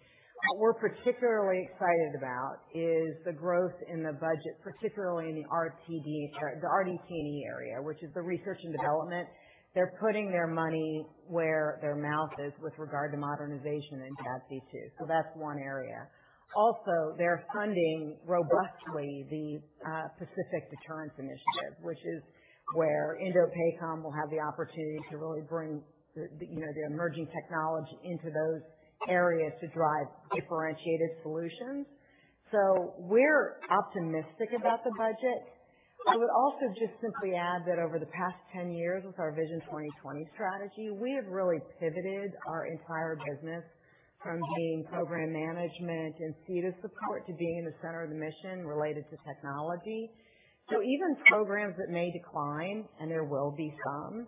What we're particularly excited about is the growth in the budget, particularly in the RTD, or the RD&E area, which is the research and development. They're putting their money where their mouth is with regard to modernization in that DOD. That's one area. Also, they're funding robustly the Pacific Deterrence Initiative, which is where INDOPACOM will have the opportunity to really bring the, you know, the emerging technology into those areas to drive differentiated solutions. We're optimistic about the budget. I would also just simply add that over the past 10 years with our Vision 2020 strategy, we have really pivoted our entire business from being program management and SETA support to being in the center of the mission related to technology. Even programs that may decline, and there will be some,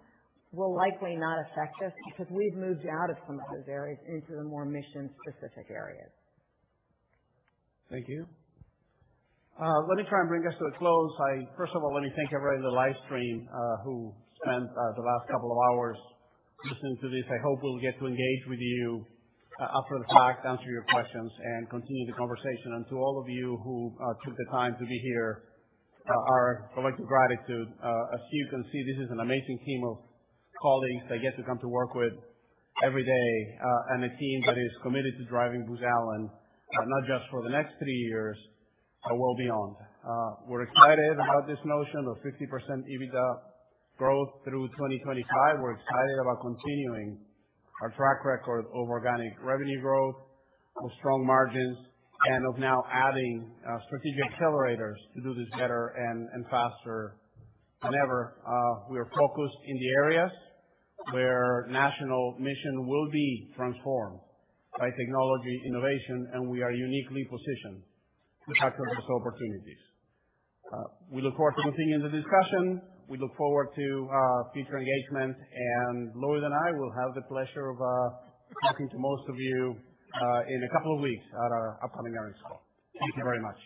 will likely not affect us because we've moved out of some of those areas into the more mission-specific areas. Thank you. Let me try and bring us to a close. I first of all, let me thank everybody in the live stream, who spent the last couple of hours listening to this. I hope we'll get to engage with you, after the fact, answer your questions, and continue the conversation. To all of you who took the time to be here, our collective gratitude. As you can see, this is an amazing team of colleagues I get to come to work with every day, and a team that is committed to driving Booz Allen, but not just for the next three years, but well beyond. We're excited about this notion of 50% EBITDA growth through 2025. We're excited about continuing our track record of organic revenue growth, of strong margins, and of now adding strategic accelerators to do this better and faster than ever. We are focused in the areas where national mission will be transformed by technology innovation. We are uniquely positioned to capture those opportunities. We look forward to continuing the discussion. We look forward to future engagement. Lloyd and I will have the pleasure of talking to most of you in two weeks at our upcoming analyst call. Thank you very much.